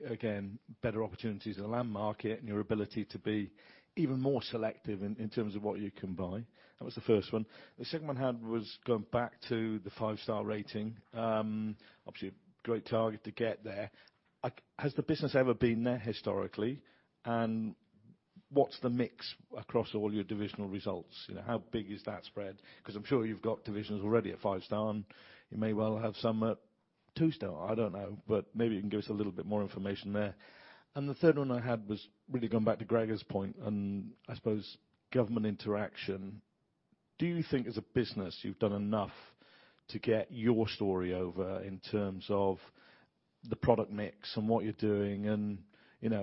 again, better opportunities in the land market and your ability to be even more selective in terms of what you can buy? That was the first one. The second one I had was going back to the five-star rating. Obviously, a great target to get there. Has the business ever been there historically? What's the mix across all your divisional results? How big is that spread? Because I'm sure you've got divisions already at five-star, and you may well have some at two-star. I don't know. Maybe you can give us a little bit more information there. The third one I had was really going back to Gregor's point on, I suppose, government interaction. Do you think as a business you've done enough to get your story over in terms of the product mix and what you're doing and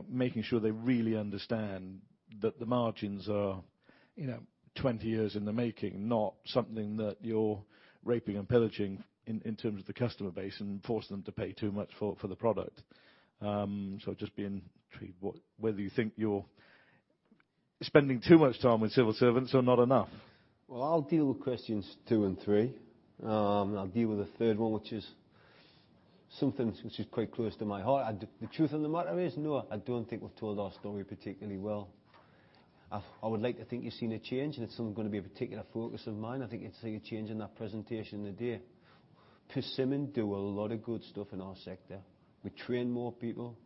making sure they really understand that the margins are 20 years in the making, not something that you're raping and pillaging in terms of the customer base and force them to pay too much for the product? Just being intrigued whether you think you're spending too much time with civil servants or not enough. I'll deal with questions two and three. I'll deal with the third one, which is something which is quite close to my heart. The truth of the matter is, no, I don't think we've told our story particularly well. I would like to think you've seen a change, and it's something going to be a particular focus of mine. I think you'll see a change in that presentation today. Persimmon do a lot of good stuff in our sector. We train more people,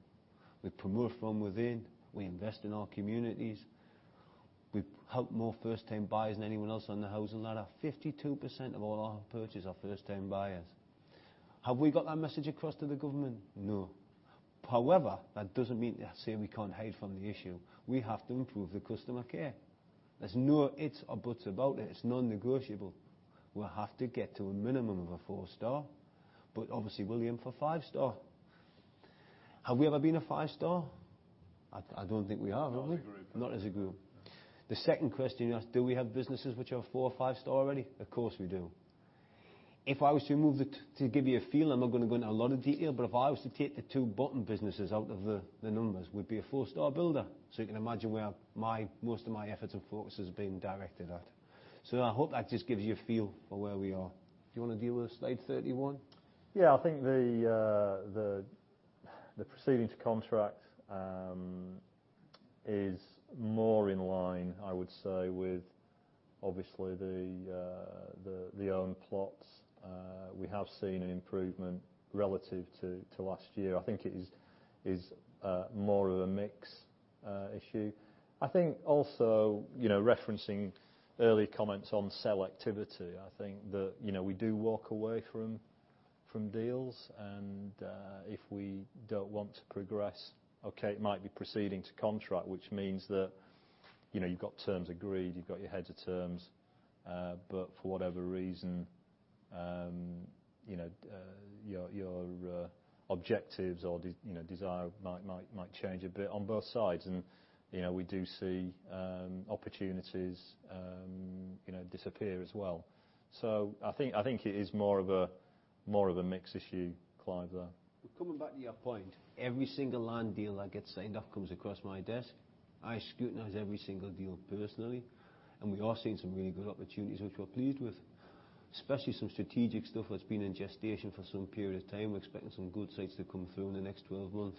we promote from within, we invest in our communities, we help more first-time buyers than anyone else on the housing ladder. 52% of all our purchases are first-time buyers. Have we got that message across to the government? No. That doesn't mean to say we can hide from the issue. We have to improve the customer care. There's no ifs or buts about it. It's non-negotiable. We have to get to a minimum of a 4-star. Obviously we'll aim for 5-star. Have we ever been a 5-star? I don't think we are, have we? Not as a group. Not as a group. The second question you asked, do we have businesses which are 4 or 5-star already? Of course, we do. If I was to give you a feel, I'm not going to go into a lot of detail, but if I was to take the two bottom businesses out of the numbers, we'd be a 4-star builder. You can imagine where most of my efforts and focus has been directed at. I hope that just gives you a feel for where we are. Do you want to deal with slide 31? Yeah. I think the proceeding to contract is more in line, I would say, with obviously the own plots. We have seen an improvement relative to last year. I think it is more of a mix issue. I think also referencing early comments on selectivity, I think that we do walk away from deals and if we don't want to progress, okay, it might be proceeding to contract, which means that you've got terms agreed, you've got your heads of terms, but for whatever reason, your objectives or desire might change a bit on both sides. We do see opportunities disappear as well. I think it is more of a mix issue, Clyde, there. Coming back to your point, every single land deal that gets signed up comes across my desk. I scrutinize every single deal personally. We are seeing some really good opportunities which we're pleased with, especially some strategic stuff that's been in gestation for some period of time. We're expecting some good sites to come through in the next 12 months.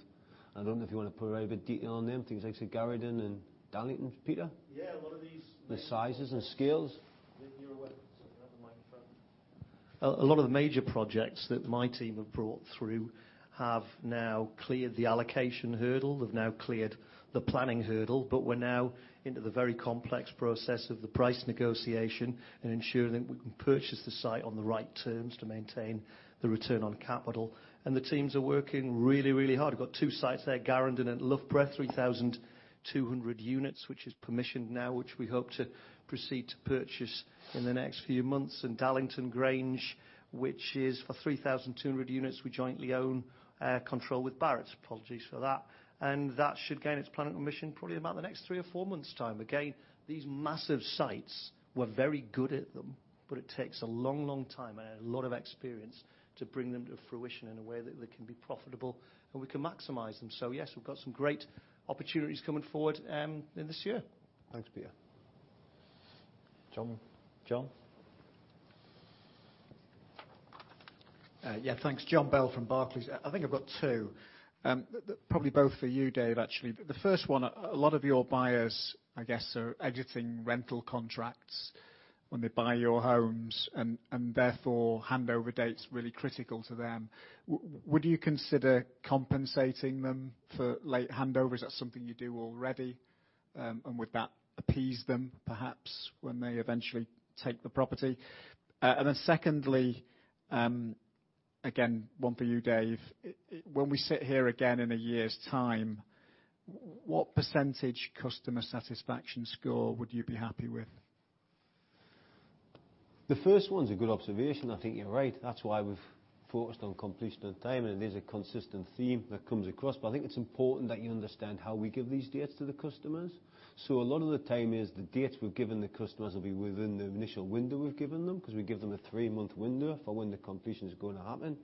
I don't know if you want to provide a bit of detail on them. Things like, say, Garendon and Dallington Grange, Peter. Yeah, what are these. The sizes and scales. Maybe you're wet. You have the microphone. A lot of the major projects that my team have brought through have now cleared the allocation hurdle, have now cleared the planning hurdle, we're now into the very complex process of the price negotiation and ensuring that we can purchase the site on the right terms to maintain the return on capital. The teams are working really, really hard. We've got two sites there, Garendon and Loughborough, 3,200 units, which is permissioned now, which we hope to proceed to purchase in the next few months. Dallington Grange, which is for 3,200 units we jointly own, control with Barratt's. Apologies for that. That should gain its planning permission probably about the next three or four months' time. Again, these massive sites, we're very good at them, it takes a long, long time and a lot of experience to bring them to fruition in a way that they can be profitable and we can maximize them. Yes, we've got some great opportunities coming forward in this year. Thanks, Peter. John. John. Yeah. Thanks, John Bell from Barclays. I think I've got two. Probably both for you, Dave, actually. The first one, a lot of your buyers, I guess, are editing rental contracts when they buy your homes and therefore handover date's really critical to them. Would you consider compensating them for late handovers? Is that something you do already and would that appease them perhaps when they eventually take the property? Secondly, again, one for you, Dave. When we sit here again in a year's time, what % customer satisfaction score would you be happy with? The first one's a good observation. I think you're right. That's why we've focused on completion on time, and it is a consistent theme that comes across. I think it's important that you understand how we give these dates to the customers. A lot of the time is the dates we've given the customers will be within the initial window we've given them, because we give them a three-month window for when the completion is going to happen.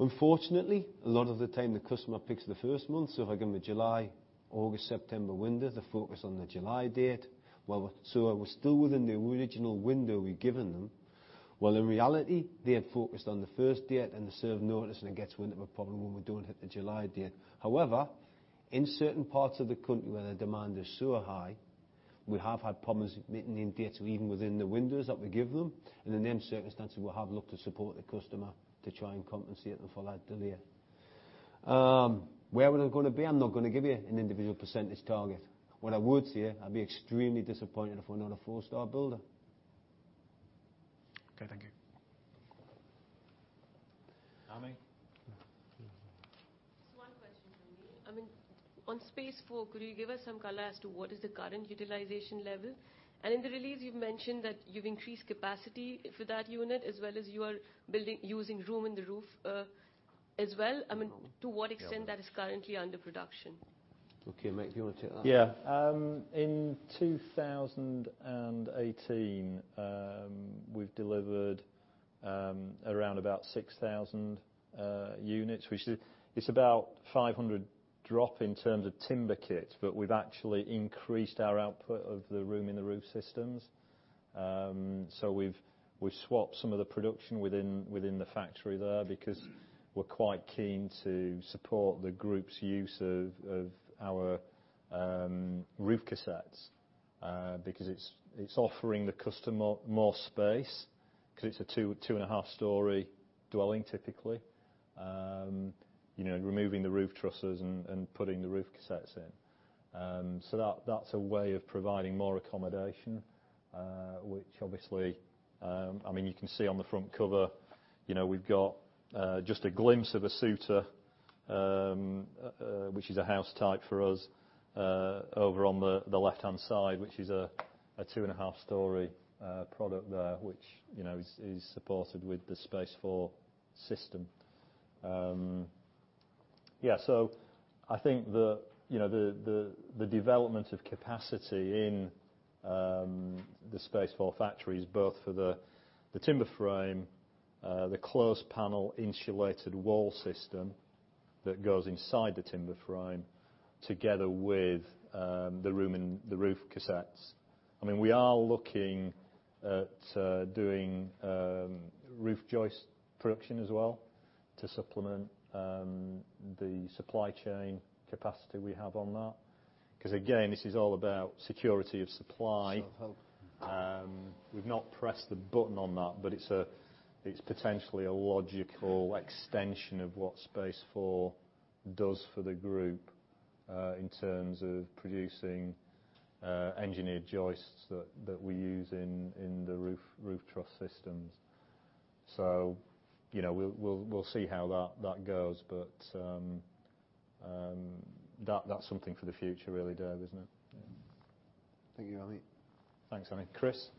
Unfortunately, a lot of the time, the customer picks the first month, so if I give them a July, August, September window, they focus on the July date. It was still within the original window we'd given them. Well, in reality, they had focused on the first date and the serve notice and it gets to when they have a problem when we don't hit the July date. However, in certain parts of the country where the demand is so high, we have had problems meeting end dates even within the windows that we give them. In those circumstances, we have looked to support the customer to try and compensate them for that delay. Where are we going to be? I'm not going to give you an individual % target. What I would say, I'd be extremely disappointed if we're not a four-star builder. Okay, thank you. Ami? Just one question from me. On Space4, could you give us some color as to what is the current utilization level? In the release, you've mentioned that you've increased capacity for that unit, as well as you are building using room in the roof, as well. To what extent that is currently under production? Okay, Mike, do you want to take that? Yeah. In 2018, we've delivered around about 6,000 units, which is about 500 drop in terms of timber kit. We've actually increased our output of the room in the roof systems. We've swapped some of the production within the factory there because we're quite keen to support the group's use of our roof cassettes. It's offering the customer more space, because it's a two and a half story dwelling, typically. Removing the roof trusses and putting the roof cassettes in. That's a way of providing more accommodation, which obviously, you can see on the front cover, we've got just a glimpse of a Suiter, which is a house type for us, over on the left-hand side, which is a two-and-a-half story product there, which is supported with the Space4 system. I think the development of capacity in the Space4 factory is both for the timber frame, the closed panel insulated wall system that goes inside the timber frame, together with the roof cassettes. We are looking at doing roof joist production as well to supplement the supply chain capacity we have on that. Again, this is all about security of supply. Self-help. We've not pressed the button on that, but it's potentially a logical extension of what Space4 does for the group, in terms of producing engineered joists that we use in the roof truss systems. We'll see how that goes. That's something for the future, really, Dave, isn't it? Thank you, Ami. Thanks, Ami. Chris?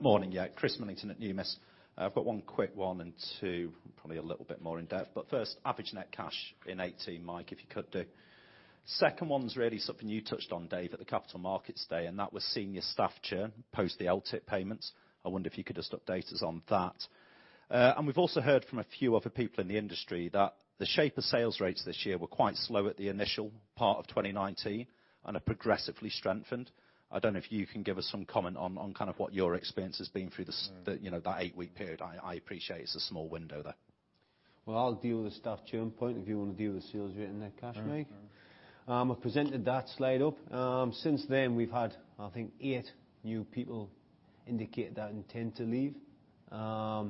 Morning. Chris Millington at Numis. I've got one quick one and two probably a little bit more in-depth. First, average net cash in 2018, Mike, if you could do. Second one's really something you touched on, Dave, at the Capital Markets Day, and that was senior staff churn, post the LTIP payments. I wonder if you could just update us on that. We've also heard from a few other people in the industry that the shape of sales rates this year were quite slow at the initial part of 2019 and have progressively strengthened. I don't know if you can give us some comment on what your experience has been through that eight-week period. I appreciate it's a small window there. Well, I'll deal with the staff churn point if you want to deal with the sales rate and net cash, Mike. All right. I presented that slide up. Since then, we've had, I think, eight new people indicate that intent to leave. None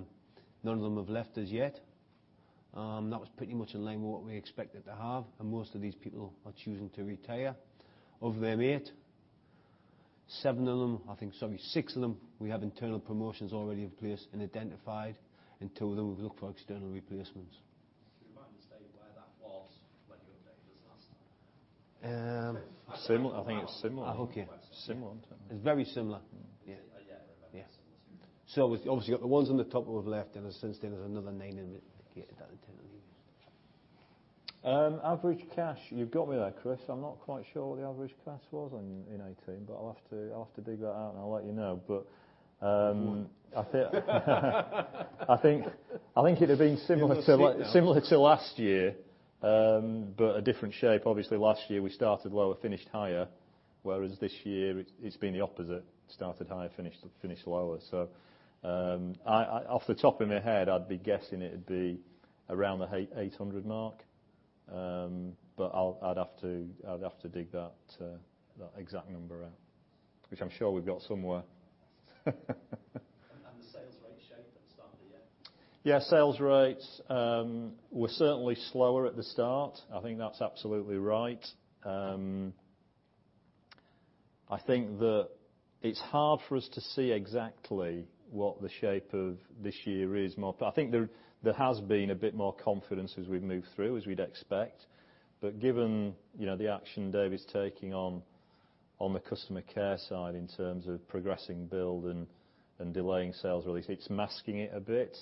of them have left as yet. That was pretty much in line with what we expected to have, and most of these people are choosing to retire. Of them eight, seven of them, I think, sorry, six of them, we have internal promotions already in place and identified, and two of them we've looked for external replacements. You might have to state where that was when you updated us last time. Similar. I think it's similar. Okay. Similar, isn't it? It's very similar. Yeah, I remember. Obviously, the ones on the top have left, and since then there's another nine indicated that intent to leave. Average cash. You've got me there, Chris. I'm not quite sure what the average cash was in 2018, but I'll have to dig that out and I'll let you know. Go on. I think it'd have been similar to You've got a seat now A different shape. Obviously, last year we started lower, finished higher, whereas this year it's been the opposite. Started higher, finished lower. Off the top of my head, I'd be guessing it'd be around the 800 mark. I'd have to dig that exact number out. Which I'm sure we've got somewhere. The sales rate shape at the start of the year? Yeah, sales rates were certainly slower at the start. I think that's absolutely right. I think that it's hard for us to see exactly what the shape of this year is, but I think there has been a bit more confidence as we've moved through, as we'd expect. Given the action Dave is taking on the customer care side in terms of progressing build and delaying sales release, it's masking it a bit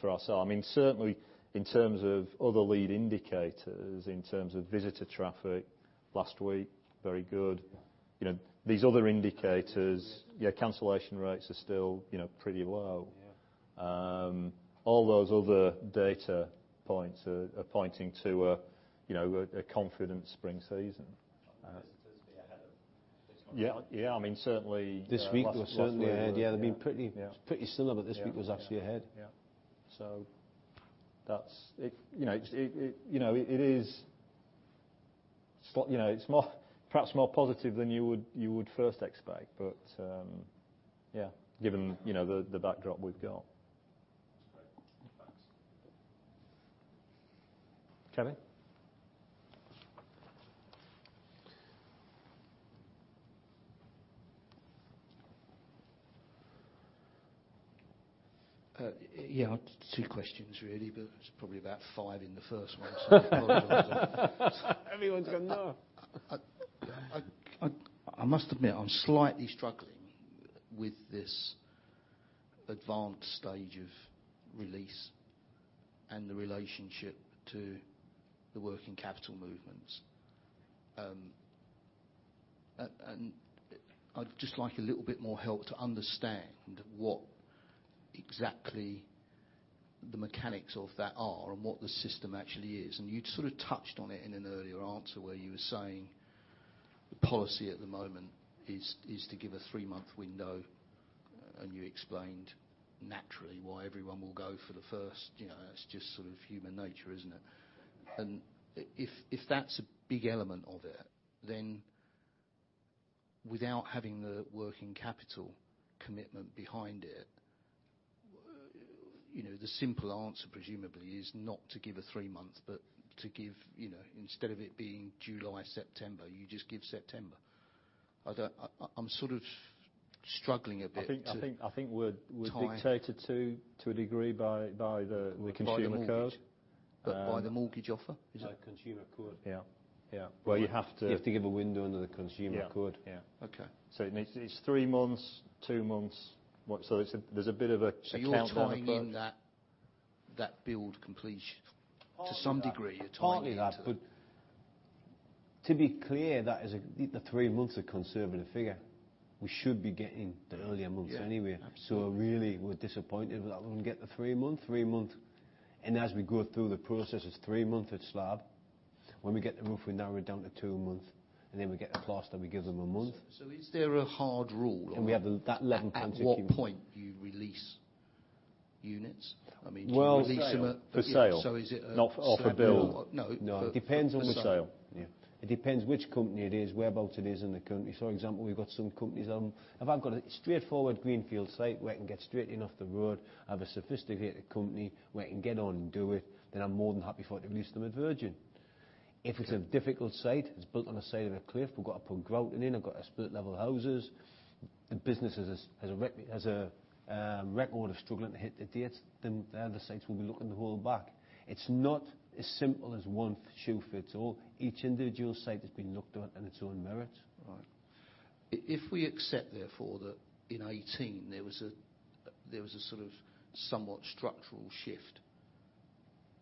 for us. Certainly, in terms of other lead indicators, in terms of visitor traffic, last week, very good. Yeah. These other indicators. Yeah, cancellation rates are still pretty low. Yeah. All those other data points are pointing to a confident spring season. Visitors be ahead of this one. Yeah. Certainly, this week we're certainly ahead. Last week they were. Yeah, they've been pretty. Yeah pretty similar, but this week was actually ahead. Yeah. It's perhaps more positive than you would first expect, but, yeah given the backdrop we've got. Great. Thanks. Kevin. Yeah. Two questions really, There's probably about five in the first one. Everyone's going, "No. I must admit, I'm slightly struggling with this advanced stage of release and the relationship to the working capital movements. I'd just like a little bit more help to understand what exactly the mechanics of that are and what the system actually is. You sort of touched on it in an earlier answer where you were saying the policy at the moment is to give a three-month window, and you explained naturally why everyone will go for the first. That's just sort of human nature, isn't it? If that's a big element of it, then without having the working capital commitment behind it, the simple answer presumably is not to give a three-month, but instead of it being July/September, you just give September. I'm sort of struggling a bit to- I think we're dictated- Time to a degree by the Consumer Code. By the mortgage. By the mortgage offer? No, Consumer Code. Yeah. Well, you have to give a window under the Consumer Code. Yeah. Okay. It's three months, two months. There's a bit of a count on. You're timing that build completion. Partly. To some degree, you're tying it. Partly that, but to be clear, the three months are a conservative figure. We should be getting the earlier months anyway. Yeah, absolutely. Really we're disappointed when that we get the three month, as we go through the processes, three month at slab. When we get the roof, we narrow it down to two month, then we get the plaster, we give them a month. Is there a hard rule? We have that 11 country. At what point do you release units? Do you release them at? Well, for sale. Is it a? Not off a build. No. No. It depends on the sale. Yeah. It depends which company it is, whereabout it is in the country. For example, we've got some companies on, if I've got a straightforward greenfield site where I can get straight in off the road, I have a sophisticated company where I can get on and do it, then I'm more than happy for to release them at virgin. If it's a difficult site, it's built on a side of a cliff, we've got to put grouting in, I've got to split-level houses. The business has a record of struggling to hit the dates, then the other sites will be looking to hold back. It's not as simple as one shoe fits all. Each individual site has been looked at on its own merit. Right. If we accept therefore that in 2018, there was a sort of somewhat structural shift,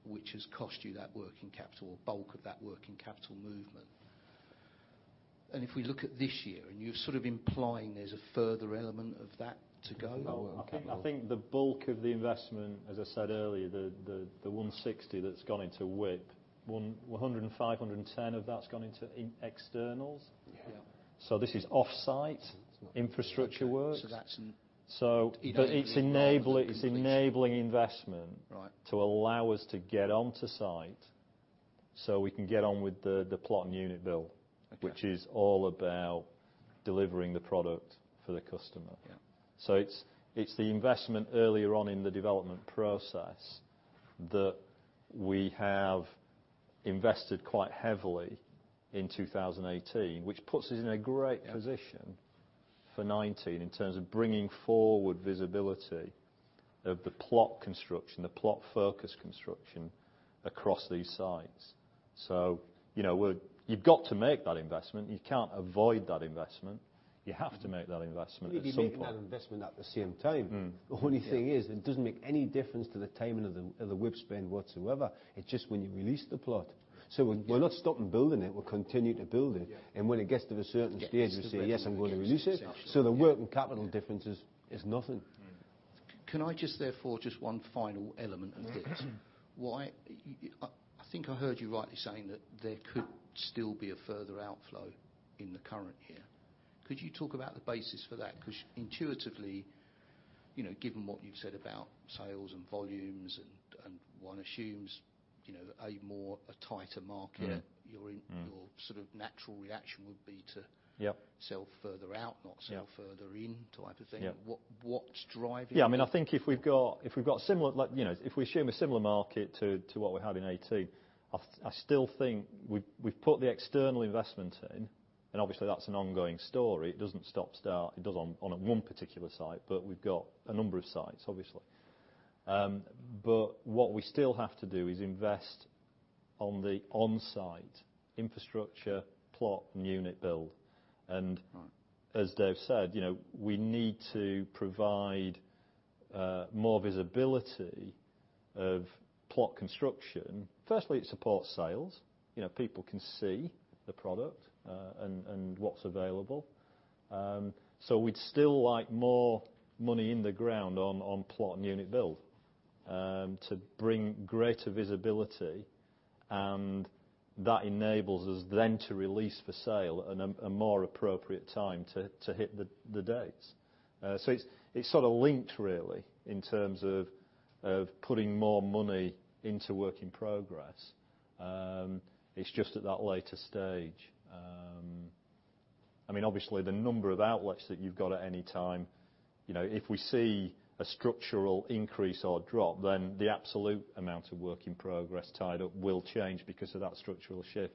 which has cost you that working capital or bulk of that working capital movement. If we look at this year, you're sort of implying there's a further element of that to go. No. I think the bulk of the investment, as I said earlier, the 160 that's gone into WIP, 105 and 110 of that's gone into externals. Yeah. Yeah. this is offsite infrastructure works. So that's an- It's enabling- It doesn't require. It's enabling investment. Right to allow us to get onto site, so we can get on with the plot and unit build. Okay. Which is all about delivering the product for the customer. Yeah. It's the investment earlier on in the development process that we have invested quite heavily in 2018. Which puts us in a great position. Yeah for 2019 in terms of bringing forward visibility of the plot construction, the plot-focused construction across these sites. You've got to make that investment. You can't avoid that investment. You have to make that investment at some point. You need to make that investment at the same time. The only thing is, it doesn't make any difference to the timing of the WIP spend whatsoever. It's just when you release the plot. We're not stopping building it. We're continuing to build it. Yeah. When it gets to a certain stage, we say, "Yes, I'm going to release it. Gets to the readiness stage. Yeah. The working capital difference is nothing. Yeah. Can I just therefore just one final element of this. I think I heard you rightly saying that there could still be a further outflow in the current year. Could you talk about the basis for that? Intuitively, given what you've said about sales and volumes and one assumes a tighter market. Yeah your sort of natural reaction would be. Yep sell further out, not sell further in type of thing. Yeah. What's driving that? Yeah, I think if we assume a similar market to what we had in 2018, I still think we've put the external investment in, and obviously that's an ongoing story. It doesn't stop, start. It does on a one particular site, but we've got a number of sites, obviously. What we still have to do is invest on the onsite infrastructure, plot and unit build. Right. As Dave said, we need to provide more visibility of plot construction. Firstly, it supports sales. People can see the product and what's available. We'd still like more money in the ground on plot and unit build to bring greater visibility, and that enables us then to release for sale at a more appropriate time to hit the dates. It's sort of linked really, in terms of putting more money into work in progress. It's just at that later stage. Obviously, the number of outlets that you've got at any time, if we see a structural increase or drop, then the absolute amount of work in progress tied up will change because of that structural shift.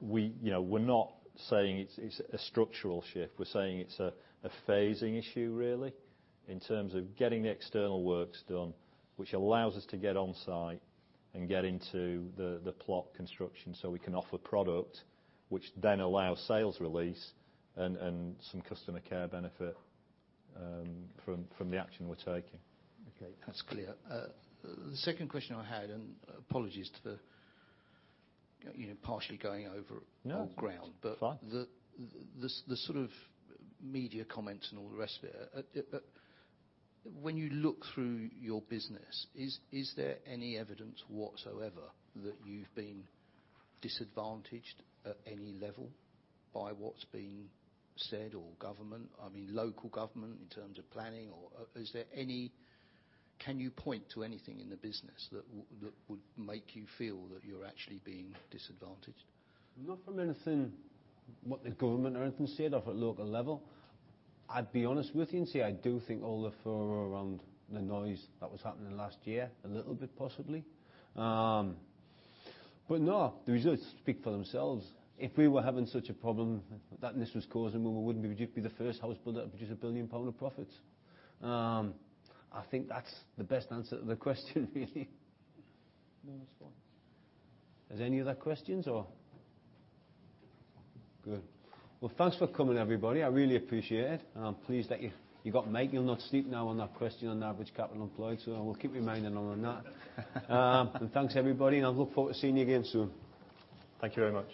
We're not saying it's a structural shift. We're saying it's a phasing issue, really, in terms of getting the external works done, which allows us to get on site and get into the plot construction, so we can offer product, which then allows sales release and some customer care benefit from the action we're taking. Okay, that's clear. Apologies to the partially going over old ground. No. It's fine. The sort of media comments and all the rest of it, when you look through your business, is there any evidence whatsoever that you've been disadvantaged at any level by what's been said, or government, I mean local government in terms of planning? Can you point to anything in the business that would make you feel that you're actually being disadvantaged? Not from anything what the government or anything said of at local level. I'd be honest with you and say I do think all the furor around the noise that was happening last year, a little bit possibly. No, the results speak for themselves. If we were having such a problem that this was causing, we wouldn't be the first house builder to produce a 1 billion pound of profits. I think that's the best answer to the question, really. No response. Is there any other questions or? Good. Thanks for coming, everybody. I really appreciate it, and I'm pleased that you got Mike. You'll not sleep now on that question on the average capital employed. We'll keep your mind on that. Thanks, everybody, and I look forward to seeing you again soon. Thank you very much.